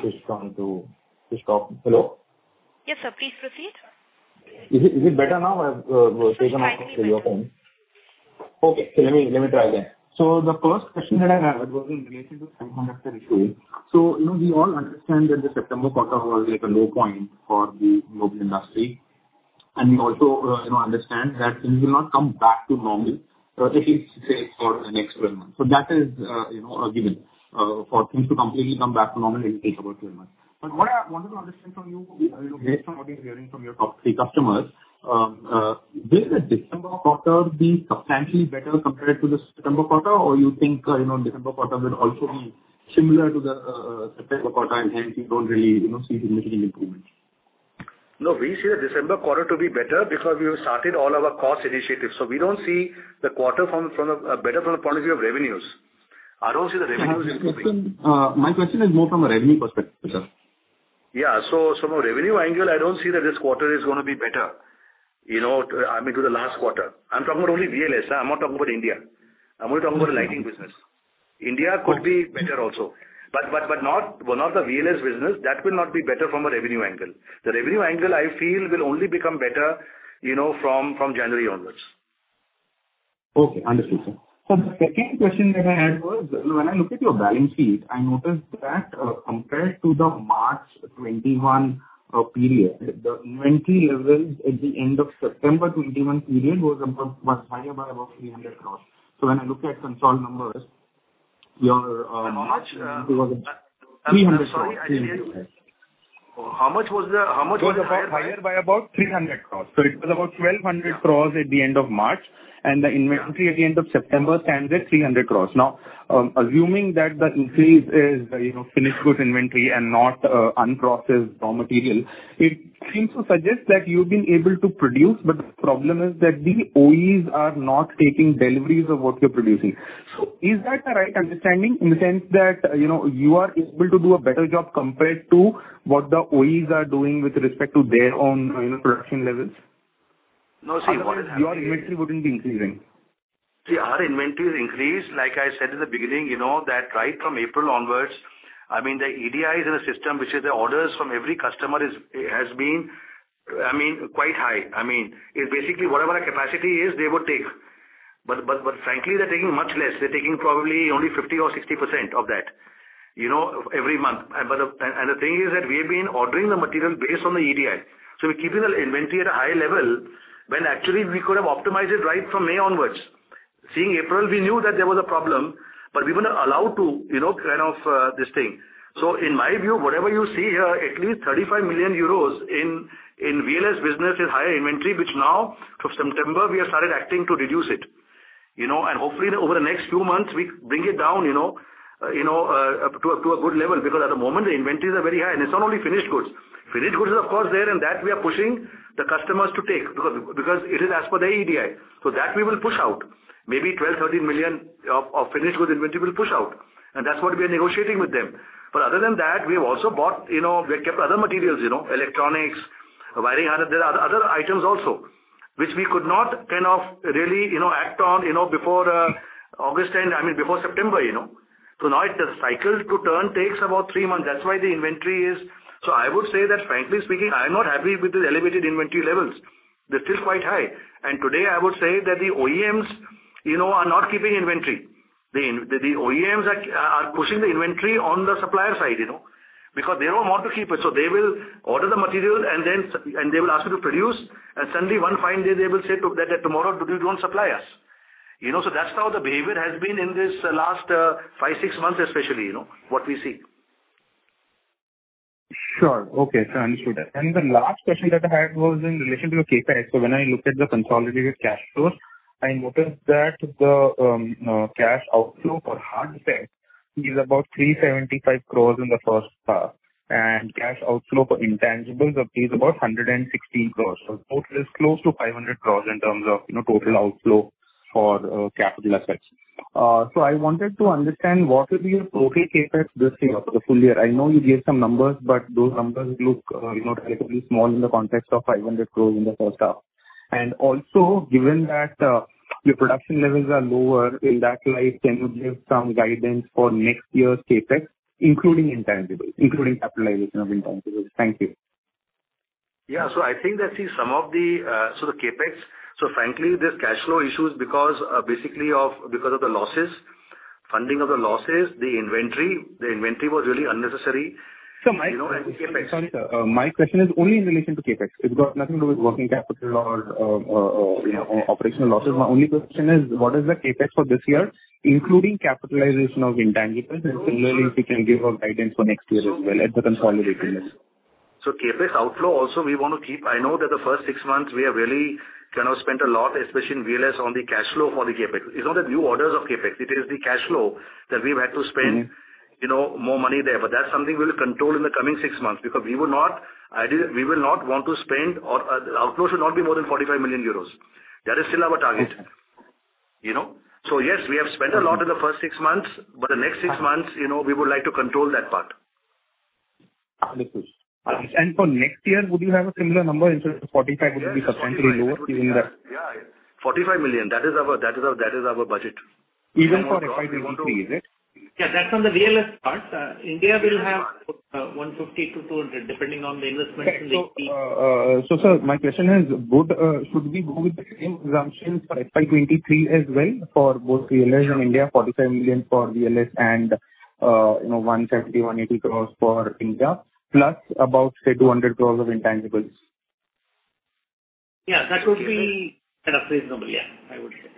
switched on to desktop. Hello? Yes, sir. Please proceed. Is it better now? I've switched on to your phone. Yes, I can hear you. Let me try again. The first question that I had was in relation to semiconductor issue. You know, we all understand that the September quarter was like a low point for the global industry, and we also, you know, understand that things will not come back to normal, at least say for the next 12 months. That is, you know, a given, for things to completely come back to normal, it will take about 12 months. But what I wanted to understand from you know, based on what you are hearing from your top three customers, will the December quarter be substantially better compared to the September quarter? Or you think, you know, December quarter will also be similar to the September quarter, and hence you do not really, you know, see significant improvement? No, we see the December quarter to be better because we have started all our cost initiatives. We don't see the quarter better from the point of view of revenues. I don't see the revenues improving. My question is more from a revenue perspective. Yeah. From a revenue angle, I don't see that this quarter is gonna be better, you know, I mean, to the last quarter. I'm talking about only VLS. I'm not talking about India. I'm only talking about the lighting business. Okay. India could be better also. Not the VLS business. That will not be better from a revenue angle. The revenue angle I feel will only become better, you know, from January onwards. Okay. Understood, sir. The second question that I had was, when I look at your balance sheet, I noticed that, compared to the March 2021 period, the inventory levels at the end of September 2021 period was higher by about 300 crore. When I look at consolidated numbers, your How much? INR 300 crore. I'm sorry, I didn't hear you. INR 300 crores. How much was higher by? 300 crores. It was about 1,200 crore at the end of March, and the inventory at the end of September stands at 300 crore. Now, assuming that the increase is, you know, finished goods inventory and not unprocessed raw material, it seems to suggest that you've been able to produce, but the problem is that the OEs are not taking deliveries of what you're producing. Is that the right understanding in the sense that, you know, you are able to do a better job compared to what the OEs are doing with respect to their own, you know, production levels? No, see what is happening. Otherwise, your inventory wouldn't be increasing. See, our inventory increased, like I said in the beginning, you know, that right from April onwards, I mean, the EDIs in the system, which is the orders from every customer is, has been, I mean, quite high. I mean, it's basically whatever our capacity is, they would take. Frankly, they're taking much less. They're taking probably only 50%-60% of that, you know, every month. The thing is that we have been ordering the material based on the EDI. We're keeping the inventory at a high level when actually we could have optimized it right from May onwards. Seeing April, we knew that there was a problem, but we weren't allowed to, you know, kind of, this thing. In my view, whatever you see here, at least 35 million euros in VLS business is higher inventory, which now from September we have started acting to reduce it. You know, and hopefully over the next few months we bring it down up to a good level. Because at the moment the inventories are very high, and it's not only finished goods. Finished goods is of course there, and that we are pushing the customers to take because it is as per their EDI. That we will push out. Maybe 12 million-13 million of finished goods inventory we'll push out, and that's what we are negotiating with them. Other than that, we have also bought, you know, we have kept other materials, you know, electronics, wiring, and there are other items also which we could not kind of really, you know, act on, you know, before August end, I mean, before September, you know. Now, the cycle to turn takes about three months. That's why the inventory is. I would say that frankly speaking, I am not happy with the elevated inventory levels. They're still quite high. Today I would say that the OEMs, you know, are not keeping inventory. The OEMs are pushing the inventory on the supplier side, you know, because they don't want to keep it. They will order the material and then they will ask you to produce. Suddenly one fine day they will say that tomorrow, you don't supply us, you know. That's how the behavior has been in this last five, six months especially, you know, what we see. Sure. Okay. Understood that. The last question that I had was in relation to CapEx. When I looked at the consolidated cash flows, I noticed that the cash outflow for CapEx is about 375 crore in the first half, and cash outflow for intangibles is about 116 crore. Total is close to 500 crore in terms of, you know, total outflow for capital assets. I wanted to understand what will be your total CapEx this year for the full year. I know you gave some numbers, but those numbers look, you know, relatively small in the context of 500 crore in the first half. Also, given that your production levels are lower, in that light, can you give some guidance for next year's CapEx, including intangibles, including capitalization of intangibles? Thank you. Yeah. I think that is some of the CapEx. Frankly, there's cash flow issues because of the losses, funding of the losses, the inventory. The inventory was really unnecessary. Sir, my- You know, CapEx. Sorry, sir. My question is only in relation to CapEx. It's got nothing to do with working capital or operational losses. My only question is what is the CapEx for this year, including capitalization of intangibles? Similarly, if you can give a guidance for next year as well at the consolidated level. CapEx outflow also we wanna keep. I know that the first six months we have really kind of spent a lot, especially in VLS, on the cash flow for the CapEx. It's not the new orders of CapEx. It is the cash flow that we've had to spend. Mm-hmm. You know, more money there. That's something we'll control in the coming six months because we will not want to spend or the outflow should not be more than 45 million euros. That is still our target. Okay. You know? Yes, we have spent a lot in the first six months, but the next six months, you know, we would like to control that part. Understood. For next year, would you have a similar number? Instead of 45 million, would it be substantially lower given the- Yeah. 45 million, that is our budget. Even for FY 2023, is it? Yeah, that's on the VLS part. India will have 150-200, depending on the investment in the- Sir, my question is should we go with the same assumptions for FY 2023 as well for both VLS and India, 45 million for VLS and, you know, 150 crores-180 crores for India plus about, say, 200 crores of intangibles? Yeah. That would be kind of reasonable. Yeah, I would say.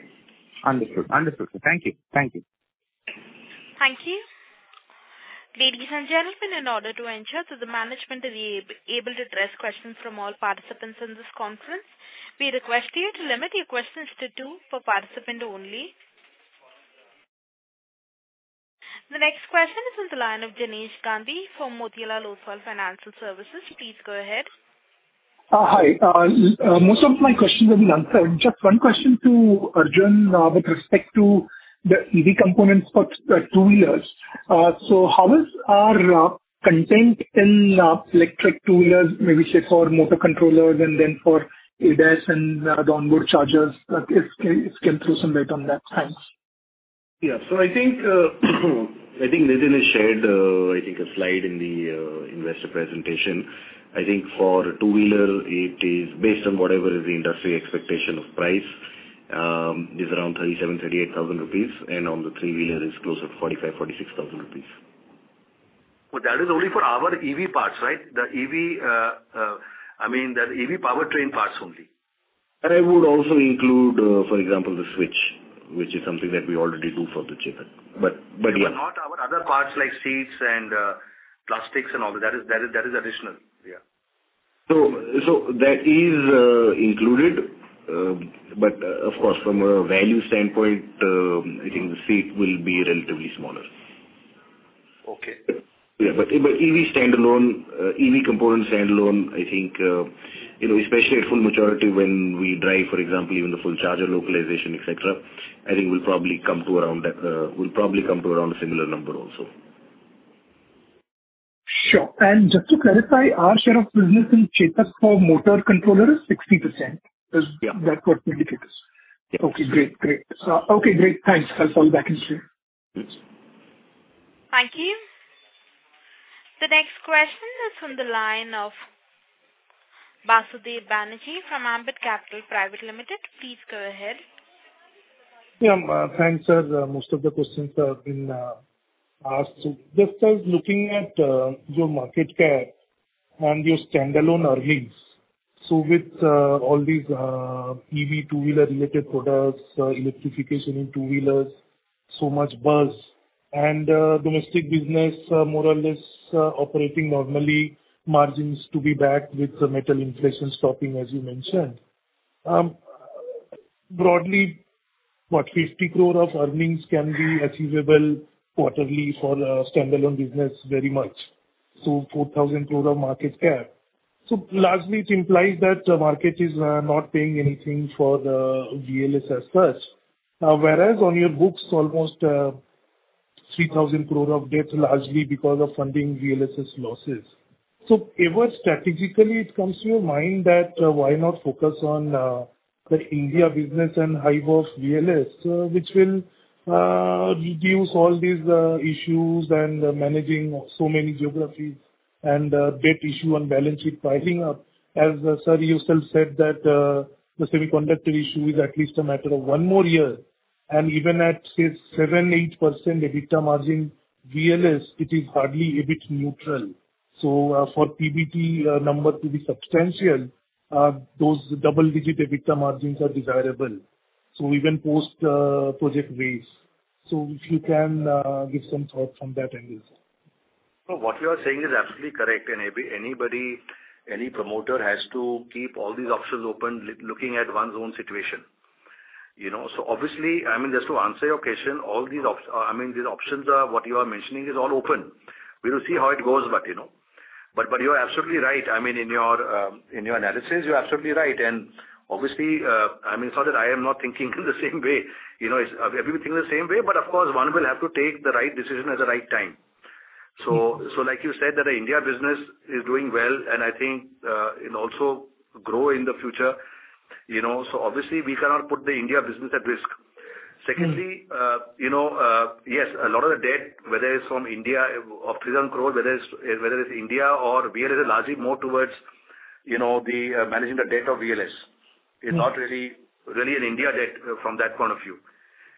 Understood, sir. Thank you. Thank you. Ladies, and gentlemen, in order to ensure that the management is able to address questions from all participants in this conference, we request you to limit your questions to two per participant only. The next question is on the line of Jinesh Gandhi from Motilal Oswal Financial Services. Please go ahead. Hi. Most of my questions have been answered. Just one question to Arjun with respect to the EV components for two-wheelers. So how is our content in electric two-wheelers, maybe say for motor controllers and then for ADAS and onboard chargers? If you can throw some light on that. Thanks. Yeah. I think Nitin has shared a slide in the investor presentation. I think for two-wheeler it is based on whatever is the industry expectation of price is around 37,000-38,000 rupees, and on the three-wheeler it's closer to 45,000-46,000 rupees. that is only for our EV parts, right? The EV, I mean, the EV powertrain parts only. I would also include, for example, the switch, which is something that we already do for the Chetak. But yeah. not our other parts like seats and plastics and all. That is additional. Yeah. That is included. Of course from a value standpoint, I think the seat will be relatively smaller. Okay. EV standalone, EV component standalone, I think you know, especially at full maturity when we drive, for example, even the full charger localization et cetera, I think we'll probably come to around a similar number also. Sure. Just to clarify, our share of business in Chetak for motor controller is 60%. Yeah. Is that what you think is? Yeah. Okay, great. Thanks. I'll call back in soon. Yes. Thank you. The next question is on the line of Basudeb Banerjee from Ambit Capital Private Limited. Please go ahead. Yeah. Thanks, sir. Most of the questions have been asked. Just, I was looking at your market cap and your standalone earnings. With all these EV two-wheeler related products, electrification in two-wheelers, so much buzz and domestic business more or less operating normally, margins to be back with the metal inflation stopping as you mentioned. Broadly, what 50 crore of earnings can be achievable quarterly for standalone business very much. 4,000 crore of market cap. Largely it implies that the market is not paying anything for the VLS as such. Whereas on your books almost 3,000 crore of debt largely because of funding VLS' losses. Ever strategically it comes to your mind that why not focus on the India business and high volumes VLS, which will reduce all these issues and managing of so many geographies? Debt issue on balance sheet rising up. As sir you still said that the semiconductor issue is at least a matter of one more year, and even at say 7%-8% EBITDA margin VLS, it is hardly EBIT neutral. For PBT number to be substantial, those double-digit EBITDA margins are desirable. Even post Project RACE. If you can give some thought from that angle. No, what you are saying is absolutely correct. Anybody, any promoter has to keep all these options open looking at one's own situation, you know? Obviously, I mean, just to answer your question, all these options are, what you are mentioning is all open. We will see how it goes, but, you know. You are absolutely right. I mean, in your analysis, you're absolutely right. Obviously, I mean, it's not that I am not thinking in the same way, you know, it's everything the same way, but of course one will have to take the right decision at the right time. Like you said that the India business is doing well and I think, it'll also grow in the future, you know. Obviously we cannot put the India business at risk. Mm. Secondly, you know, yes, a lot of the debt, whether it's India or VLS, is largely more towards, you know, managing the debt of VLS. Mm. It's not an Indian debt from that point of view.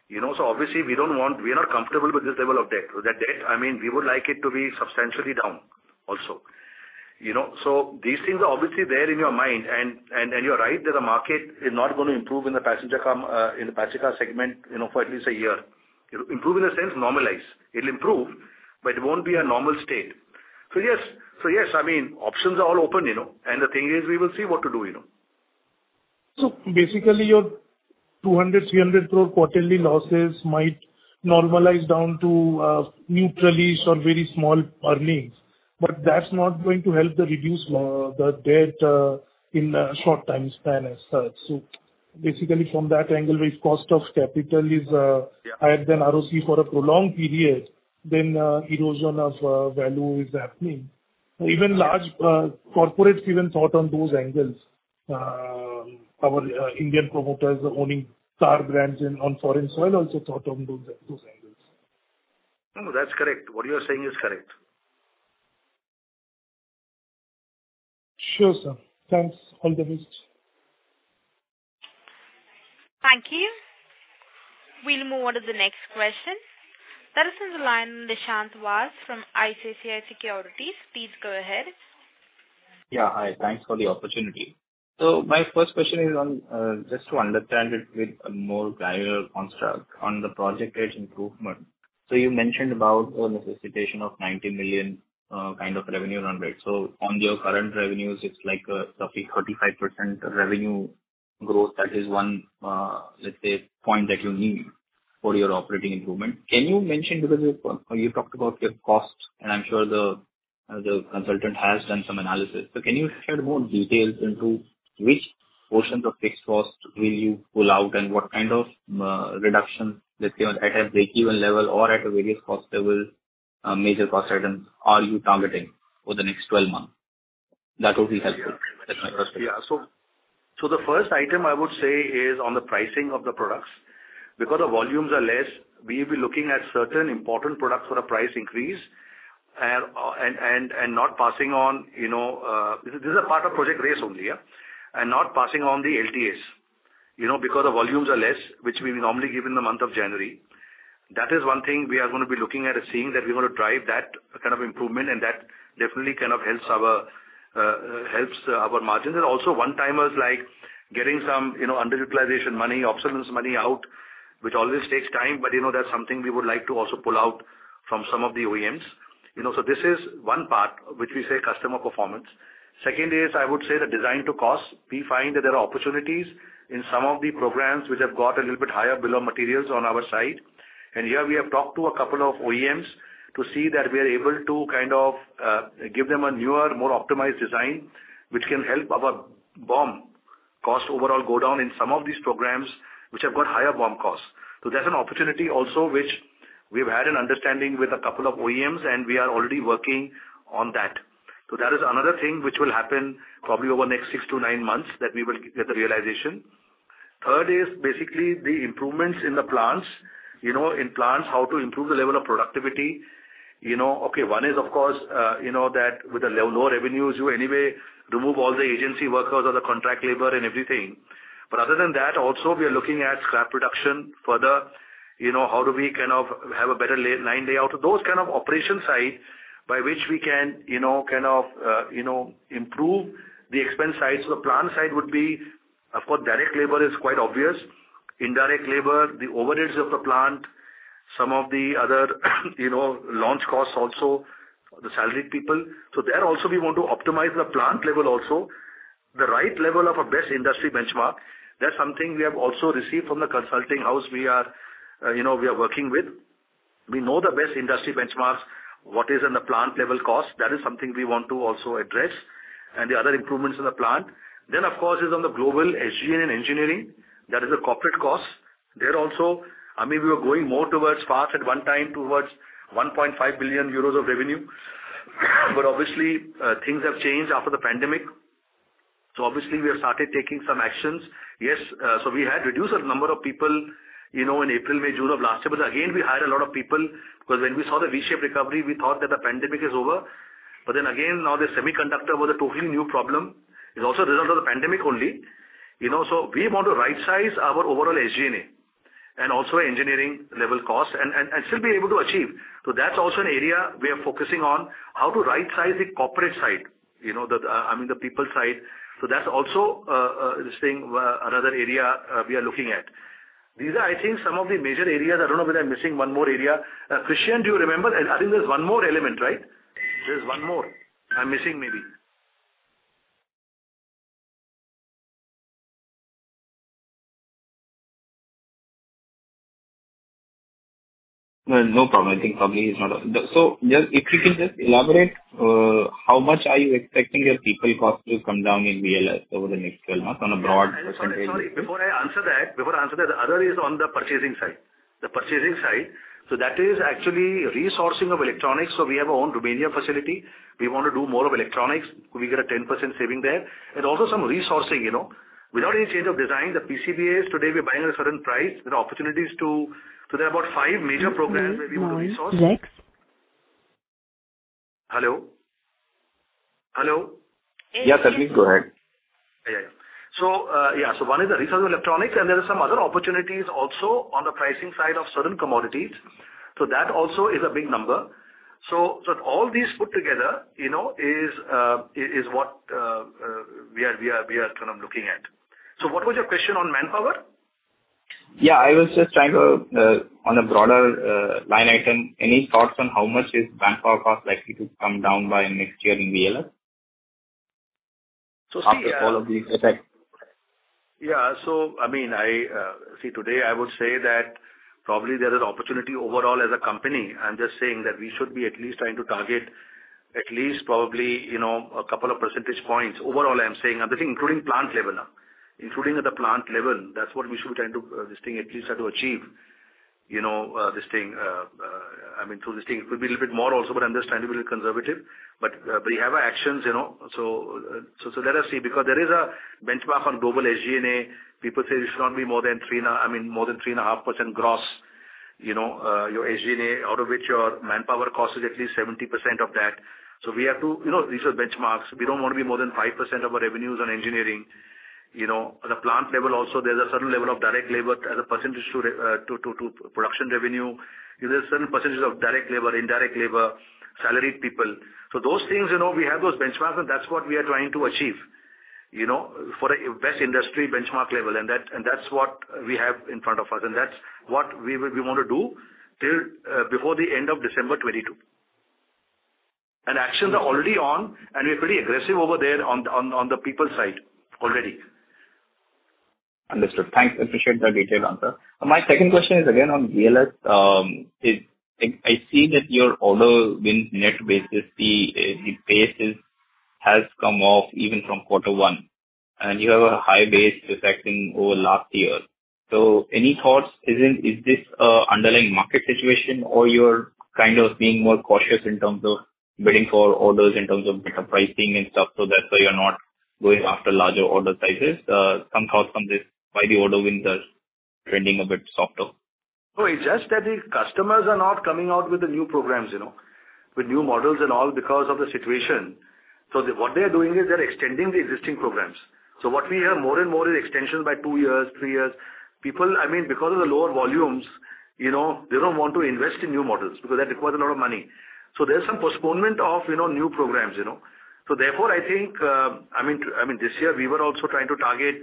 You know, obviously we don't want. We are not comfortable with this level of debt. That debt, I mean, we would like it to be substantially down also, you know. These things are obviously there in your mind, and you're right that the market is not gonna improve in the passenger car segment, you know, for at least a year. Improve in the sense normalize. It'll improve, but it won't be a normal state. Yes, I mean, options are all open, you know, and the thing is we will see what to do, you know. Basically your 200 crore-300 crore quarterly losses might normalize down to neutralish or very small earnings, but that's not going to help to reduce the debt in a short time span as such. Basically from that angle, if cost of capital is Yeah. Higher than ROC for a prolonged period, then erosion of value is happening. Even large corporates even thought on those angles. Our Indian promoters owning car brands and on foreign soil also thought on those angles. No, that's correct. What you are saying is correct. Sure, sir. Thanks. All the best. Thank you. We'll move on to the next question. That is on the line Nishant Vass from ICICI Securities. Please go ahead. Yeah, hi. Thanks for the opportunity. My first question is on, just to understand it with a more granular construct on the Project RACE improvement. You mentioned about a necessitation of 90 million, kind of revenue run rate. On your current revenues, it's like, roughly 35% revenue growth. That is one, let's say point that you need for your operating improvement. Can you mention, because you talked about your costs, and I'm sure the consultant has done some analysis, but can you share more details into which portions of fixed costs will you pull out and what kind of, reduction, let's say at a break-even level or at a various cost level, major cost items are you targeting over the next 12 months? That would be helpful. That's my first question. The first item I would say is on the pricing of the products. Because the volumes are less, we'll be looking at certain important products for a price increase, and not passing on, you know. This is a part of Project RACE only, yeah. Not passing on the LTAs. You know, because the volumes are less, which we normally give in the month of January. That is one thing we are gonna be looking at, is seeing that we wanna drive that kind of improvement and that definitely kind of helps our margins. Also one-timers like getting some, you know, underutilization money, obsolescence money out, which always takes time, but you know, that's something we would like to also pull out from some of the OEMs. You know, this is one part which we say customer performance. Second is, I would say the design to cost. We find that there are opportunities in some of the programs which have got a little bit higher bill of materials on our side. Here we have talked to a couple of OEMs to see that we are able to kind of give them a newer, more optimized design which can help our BOM cost overall go down in some of these programs which have got higher BOM costs. So there's an opportunity also which we've had an understanding with a couple of OEMs, and we are already working on that. So that is another thing which will happen probably over the next six to nine months that we will get the realization. Third is basically the improvements in the plants. You know, in plants, how to improve the level of productivity. You know, okay, one is of course, you know that with the low revenues, you anyway remove all the agency workers or the contract labor and everything. But other than that, also we are looking at scrap reduction further. You know, how do we kind of have a better layout? Those kind of operational side by which we can, you know, kind of, improve the expense side. So the plant side would be, of course, direct labor is quite obvious. Indirect labor, the overheads of the plant, some of the other, you know, launch costs also, the salaried people. So there also we want to optimize the plant level also. The right level of the best industry benchmark, that's something we have also received from the consulting house we are working with. We know the best industry benchmarks, what is in the plant level cost, that is something we want to also address, and the other improvements in the plant. Of course is on the global SG&A and engineering. That is a corporate cost. There also, I mean, we were going more towards that at one time towards 1.5 billion euros of revenue. Obviously, things have changed after the pandemic. Obviously we have started taking some actions. Yes, we had reduced the number of people, you know, in April, May, June of last year. Again, we hired a lot of people because when we saw the V-shaped recovery, we thought that the pandemic is over. Now the semiconductor was a totally new problem. It's also a result of the pandemic only. You know, so we want to rightsize our overall SG&A, and also engineering level costs and still be able to achieve. That's also an area we are focusing on, how to rightsize the corporate side. You know, I mean, the people side. That's also this thing, another area we are looking at. These are, I think, some of the major areas. I don't know whether I'm missing one more area. Christian, do you remember? I think there's one more element, right? There's one more I'm missing maybe. No, no problem. Just if you can just elaborate, how much are you expecting your people cost to come down in VLS over the next 12 months on a broad percentage? Sorry, before I answer that, the other is on the purchasing side. That is actually resourcing of electronics. We have our own Romanian facility. We want to do more of electronics. We get a 10% saving there. Also some resourcing, you know. Without any change of design, the PCBAs today we're buying at a certain price. There are opportunities to resourse about five major programs where we want to resourse. One, next. Hello? Hello? Yeah, Sandeep, go ahead. One is the re-sourcing of electronics, and there are some other opportunities also on the pricing side of certain commodities. That also is a big number. All these put together, you know, is what we are kind of looking at. What was your question on manpower? Yeah, I was just trying to on a broader line item, any thoughts on how much is manpower cost likely to come down by next year in VLS? See. After all of these effects. I mean, today I would say that probably there is opportunity overall as a company. I'm just saying that we should be at least trying to target at least probably a couple of percentage points. Overall, I'm saying, I'm thinking including plant level now. Including at the plant level, that's what we should try to achieve. This thing could be a little bit more also, but understandably conservative. We have our actions. Let us see, because there is a benchmark on global SG&A. People say it should not be more than 3.5% gross, you know, your SG&A, out of which your manpower cost is at least 70% of that. We have to. You know, these are benchmarks. We don't wanna be more than 5% of our revenues on engineering. You know, at a plant level also, there's a certain level of direct labor as a percentage to production revenue. There's a certain percentage of direct labor, indirect labor, salaried people. Those things, you know, we have those benchmarks, and that's what we are trying to achieve, you know, for a best industry benchmark level. That's what we have in front of us, and that's what we wanna do till before the end of December 2022. Actions are already on, and we're pretty aggressive over there on the people side already. Understood. Thanks. Appreciate the detailed answer. My second question is again on VLS. I see that your order wins net basis, the pace has come off even from quarter one, and you have a high base effect over last year. So any thoughts? Is this underlying market situation or you're kind of being more cautious in terms of bidding for orders in terms of better pricing and stuff, so that's why you're not going after larger order sizes? Some thoughts on this, why the order wins are trending a bit softer? No, it's just that the customers are not coming out with the new programs, you know, with new models and all because of the situation. What they're doing is they're extending the existing programs. What we hear more and more is extensions by two years, three years. People, I mean, because of the lower volumes, you know, they don't want to invest in new models because that requires a lot of money. There's some postponement of, you know, new programs, you know. Therefore, I think, I mean this year we were also trying to target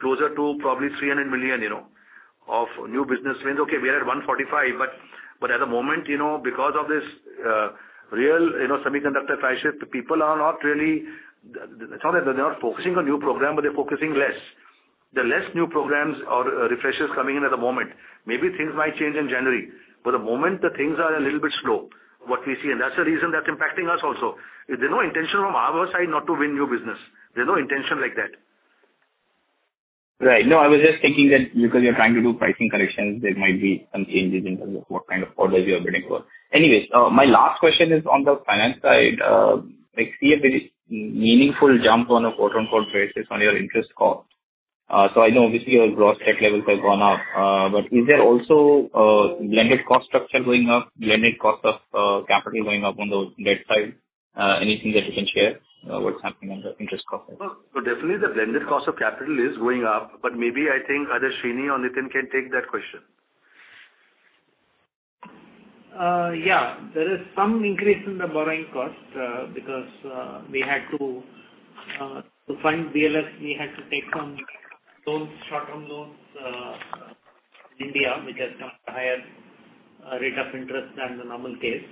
closer to probably 300 million, you know, of new business wins. Okay, we are at 145 million, but at the moment, you know, because of this, real, you know, semiconductor price shift, people are not really... It's not that they're not focusing on new program, but they're focusing less. There are less new programs or, refreshes coming in at the moment. Maybe things might change in January. For the moment, the things are a little bit slow, what we see, and that's the reason that's impacting us also. There's no intention from our side not to win new business. There's no intention like that. Right. No, I was just thinking that because you're trying to do pricing corrections, there might be some changes in terms of what kind of orders you're bidding for. Anyways, my last question is on the finance side. I see a very meaningful jump on a quarter-on-quarter basis on your interest cost. So I know obviously your gross debt levels have gone up. But is there also a blended cost structure going up, blended cost of capital going up on the debt side? Anything that you can share, what's happening on the interest cost side? Well, definitely the blended cost of capital is going up, but maybe I think either Srini or Nitin can take that question. Yeah. There is some increase in the borrowing cost, because we had to fund VLS. We had to take some short-term loans in India, which has got a higher rate of interest than the normal case.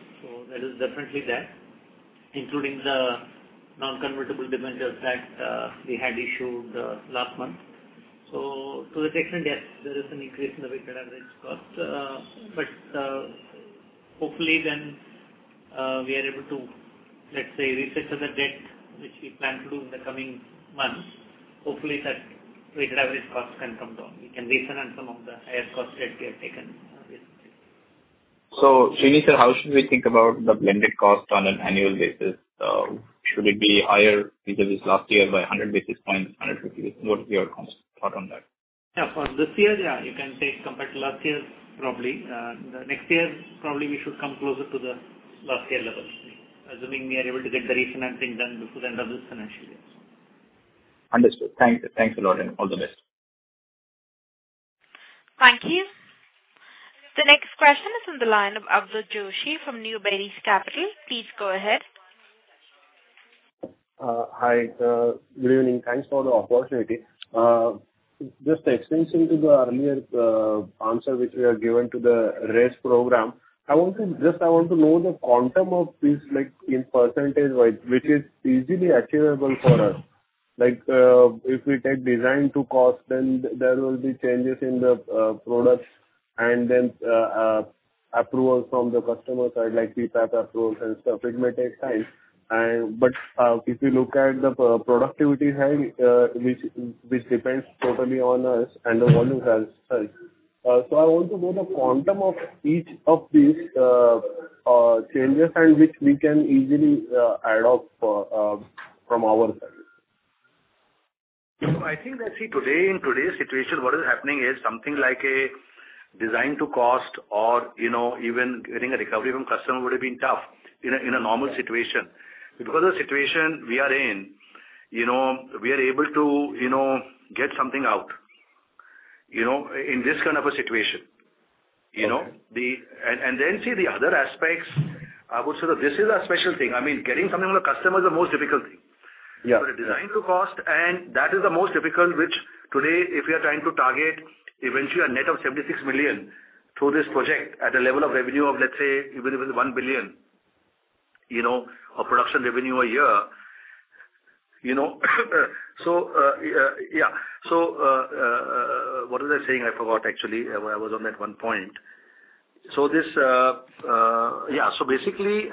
That is definitely there, including the non-convertible debentures that we had issued last month. To a certain extent, there is an increase in the weighted average cost. Hopefully then we are able to, let's say, reset the debt which we plan to do in the coming months. Hopefully that weighted average cost can come down. We can refinance some of the higher cost debt we have taken recently. Srini, sir, how should we think about the blended cost on an annual basis? Should it be higher than this last year by 100 basis points, 150? What's your thought on that? Yeah. For this year, yeah. You can say compared to last year, probably. The next year, probably we should come closer to the last year levels. Assuming we are able to get the refinancing done before the end of this financial year. Understood. Thank you. Thanks a lot, and all the best. Thank you. The next question is on the line of Atul Joshi from New Berry Capital. Please go ahead. Hi, sir. Good evening. Thanks for the opportunity. Just extending to the earlier answer which you have given to the RACE program. Just, I want to know the quantum of this, like in percentage-wise, which is easily achievable for us. Like, if we take design to cost, then there will be changes in the products and then approvals from the customer side, like PPAP approvals and stuff, it may take time. If you look at the productivity side, which depends totally on us and the volume as such. I want to know the quantum of each of these changes and which we can easily adopt from our side. I think that, see, today, in today's situation, what is happening is something like a design to cost or, you know, even getting a recovery from customer would have been tough in a normal situation. Because of the situation we are in, you know, we are able to, you know, get something out, you know, in this kind of a situation, you know? Okay. See the other aspects. I would say that this is a special thing. I mean, getting something from the customer is the most difficult thing. Yeah. The design to cost, and that is the most difficult which today, if we are trying to target eventually a net of 76 million through this project at a level of revenue of, let's say, even if it's 1 billion, you know, of production revenue a year, you know. Basically,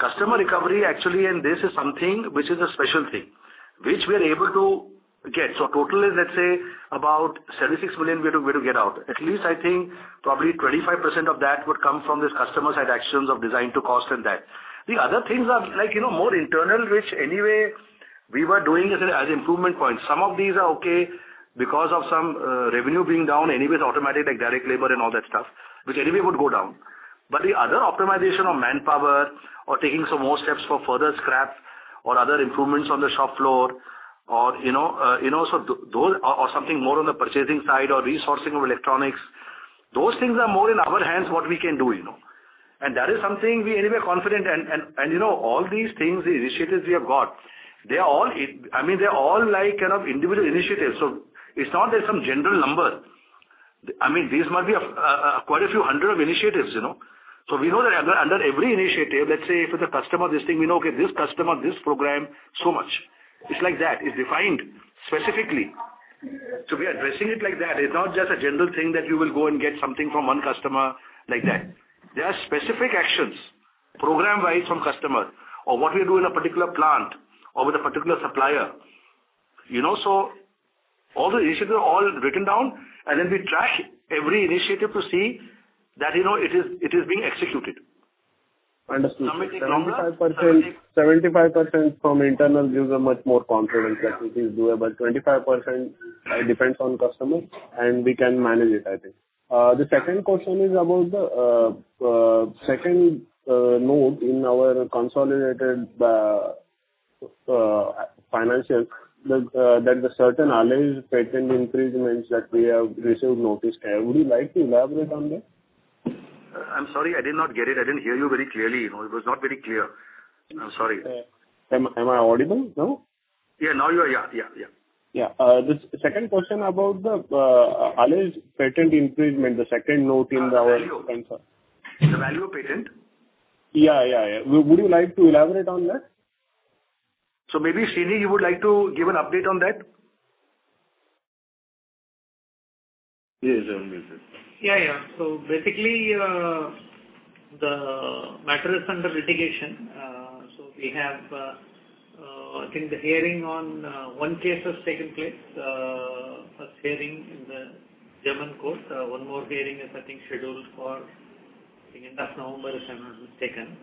customer recovery actually, and this is something which is a special thing, which we are able to get. Total is, let's say, about 76 million we're to get out. At least I think probably 25% of that would come from this customer side actions of design to cost and that. The other things are like, you know, more internal, which anyway we were doing as improvement points. Some of these are okay because of some revenue being down anyway, automatically, like direct labor and all that stuff, which anyway would go down. The other optimization of manpower or taking some more steps for further scrap or other improvements on the shop floor or, you know, you know, those or something more on the purchasing side or resourcing of electronics, those things are more in our hands what we can do, you know. That is something we anyway are confident and you know, all these things, the initiatives we have got, they are all, I mean, they're all like kind of individual initiatives. It's not there's some general number. I mean, these must be quite a few hundred initiatives, you know. We know that under every initiative, let's say if it's a customer, we know, okay, this customer, this program, so much. It's like that. It's defined specifically. We are addressing it like that. It's not just a general thing that you will go and get something from one customer like that. There are specific actions, program-wise from customer or what we do in a particular plant or with a particular supplier, you know? All the initiatives are written down, and then we track every initiative to see that, you know, it is being executed. Understood. Some may be longer. 75% from internal gives a much more confidence that it is doable. 25% depends on customers, and we can manage it, I think. The second question is about the second note in our consolidated financials that the certain alleged patent infringements that we have received notice. Would you like to elaborate on that? I'm sorry, I did not get it. I didn't hear you very clearly. You know, it was not very clear. I'm sorry. Am I audible now? Yeah, now you are. Yeah. Yeah. The second question about the alleged patent infringement, the second note in our- The value. -finance. The value of patent? Yeah. Would you like to elaborate on that? Maybe, Srini, you would like to give an update on that? Yes, I will give it. Basically, the matter is under litigation. I think the hearing on one case has taken place, first hearing in the German court. One more hearing is I think scheduled for end of November, if I'm not mistaken.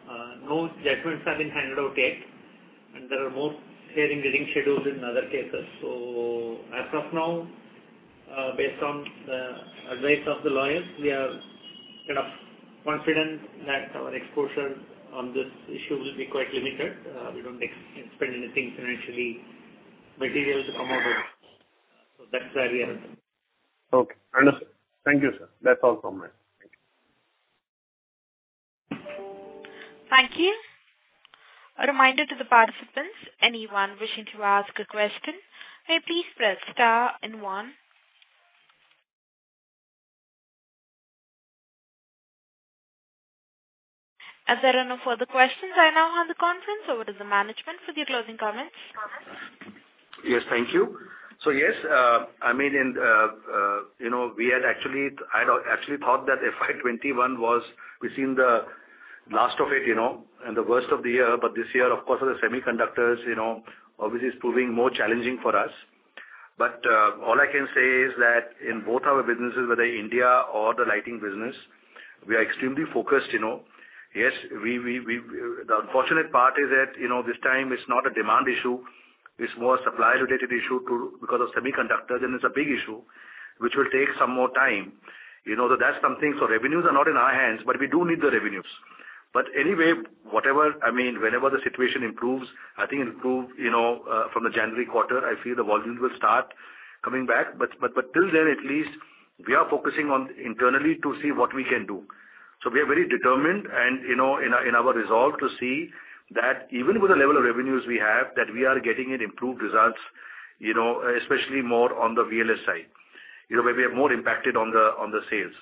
No judgments have been handed out yet, and there are more hearings getting scheduled in other cases. As of now, based on the advice of the lawyers, we are kind of confident that our exposure on this issue will be quite limited. We don't expect anything financially material to come out of it. That's where we are. Okay. Understood. Thank you, sir. That's all from me. Thank you. Thank you. A reminder to the participants, anyone wishing to ask a question, may please press star and one. As there are no further questions right now on the conference, over to the management for their closing comments. Yes, thank you. I mean, in, you know, we had actually. I'd actually thought that FY 2021 was, we've seen the last of it, you know, and the worst of the year. This year, of course, with the semiconductors, you know, obviously it's proving more challenging for us. All I can say is that in both our businesses, whether India or the lighting business, we are extremely focused, you know. Yes, we. The unfortunate part is that, you know, this time it's not a demand issue. It's more a supply related issue too, because of semiconductors, and it's a big issue which will take some more time. You know, that's something. Revenues are not in our hands, but we do need the revenues. Anyway, whatever, I mean, whenever the situation improves, I think, you know, from the January quarter, I feel the volumes will start coming back. Till then at least we are focusing internally to see what we can do. We are very determined and, you know, in our resolve to see that even with the level of revenues we have, that we are getting improved results, you know, especially more on the VLS side, you know, where we are more impacted on the sales.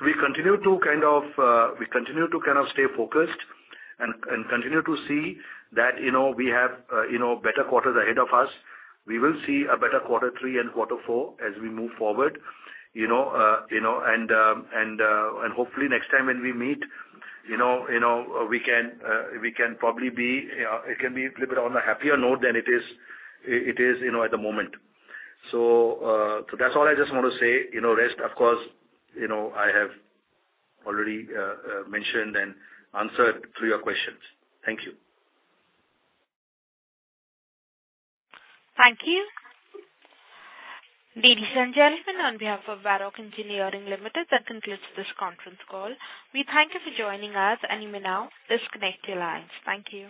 We continue to kind of stay focused and continue to see that, you know, we have better quarters ahead of us. We will see a better quarter three and quarter four as we move forward, you know. Hopefully next time when we meet, you know, we can probably be it can be little bit on a happier note than it is, you know, at the moment. That's all I just want to say. You know, rest of course, you know, I have already mentioned and answered through your questions. Thank you. Thank you. Ladies, and gentlemen, on behalf of Varroc Engineering Limited, that concludes this conference call. We thank you for joining us, and you may now disconnect your lines. Thank you.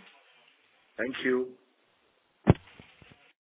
Thank you.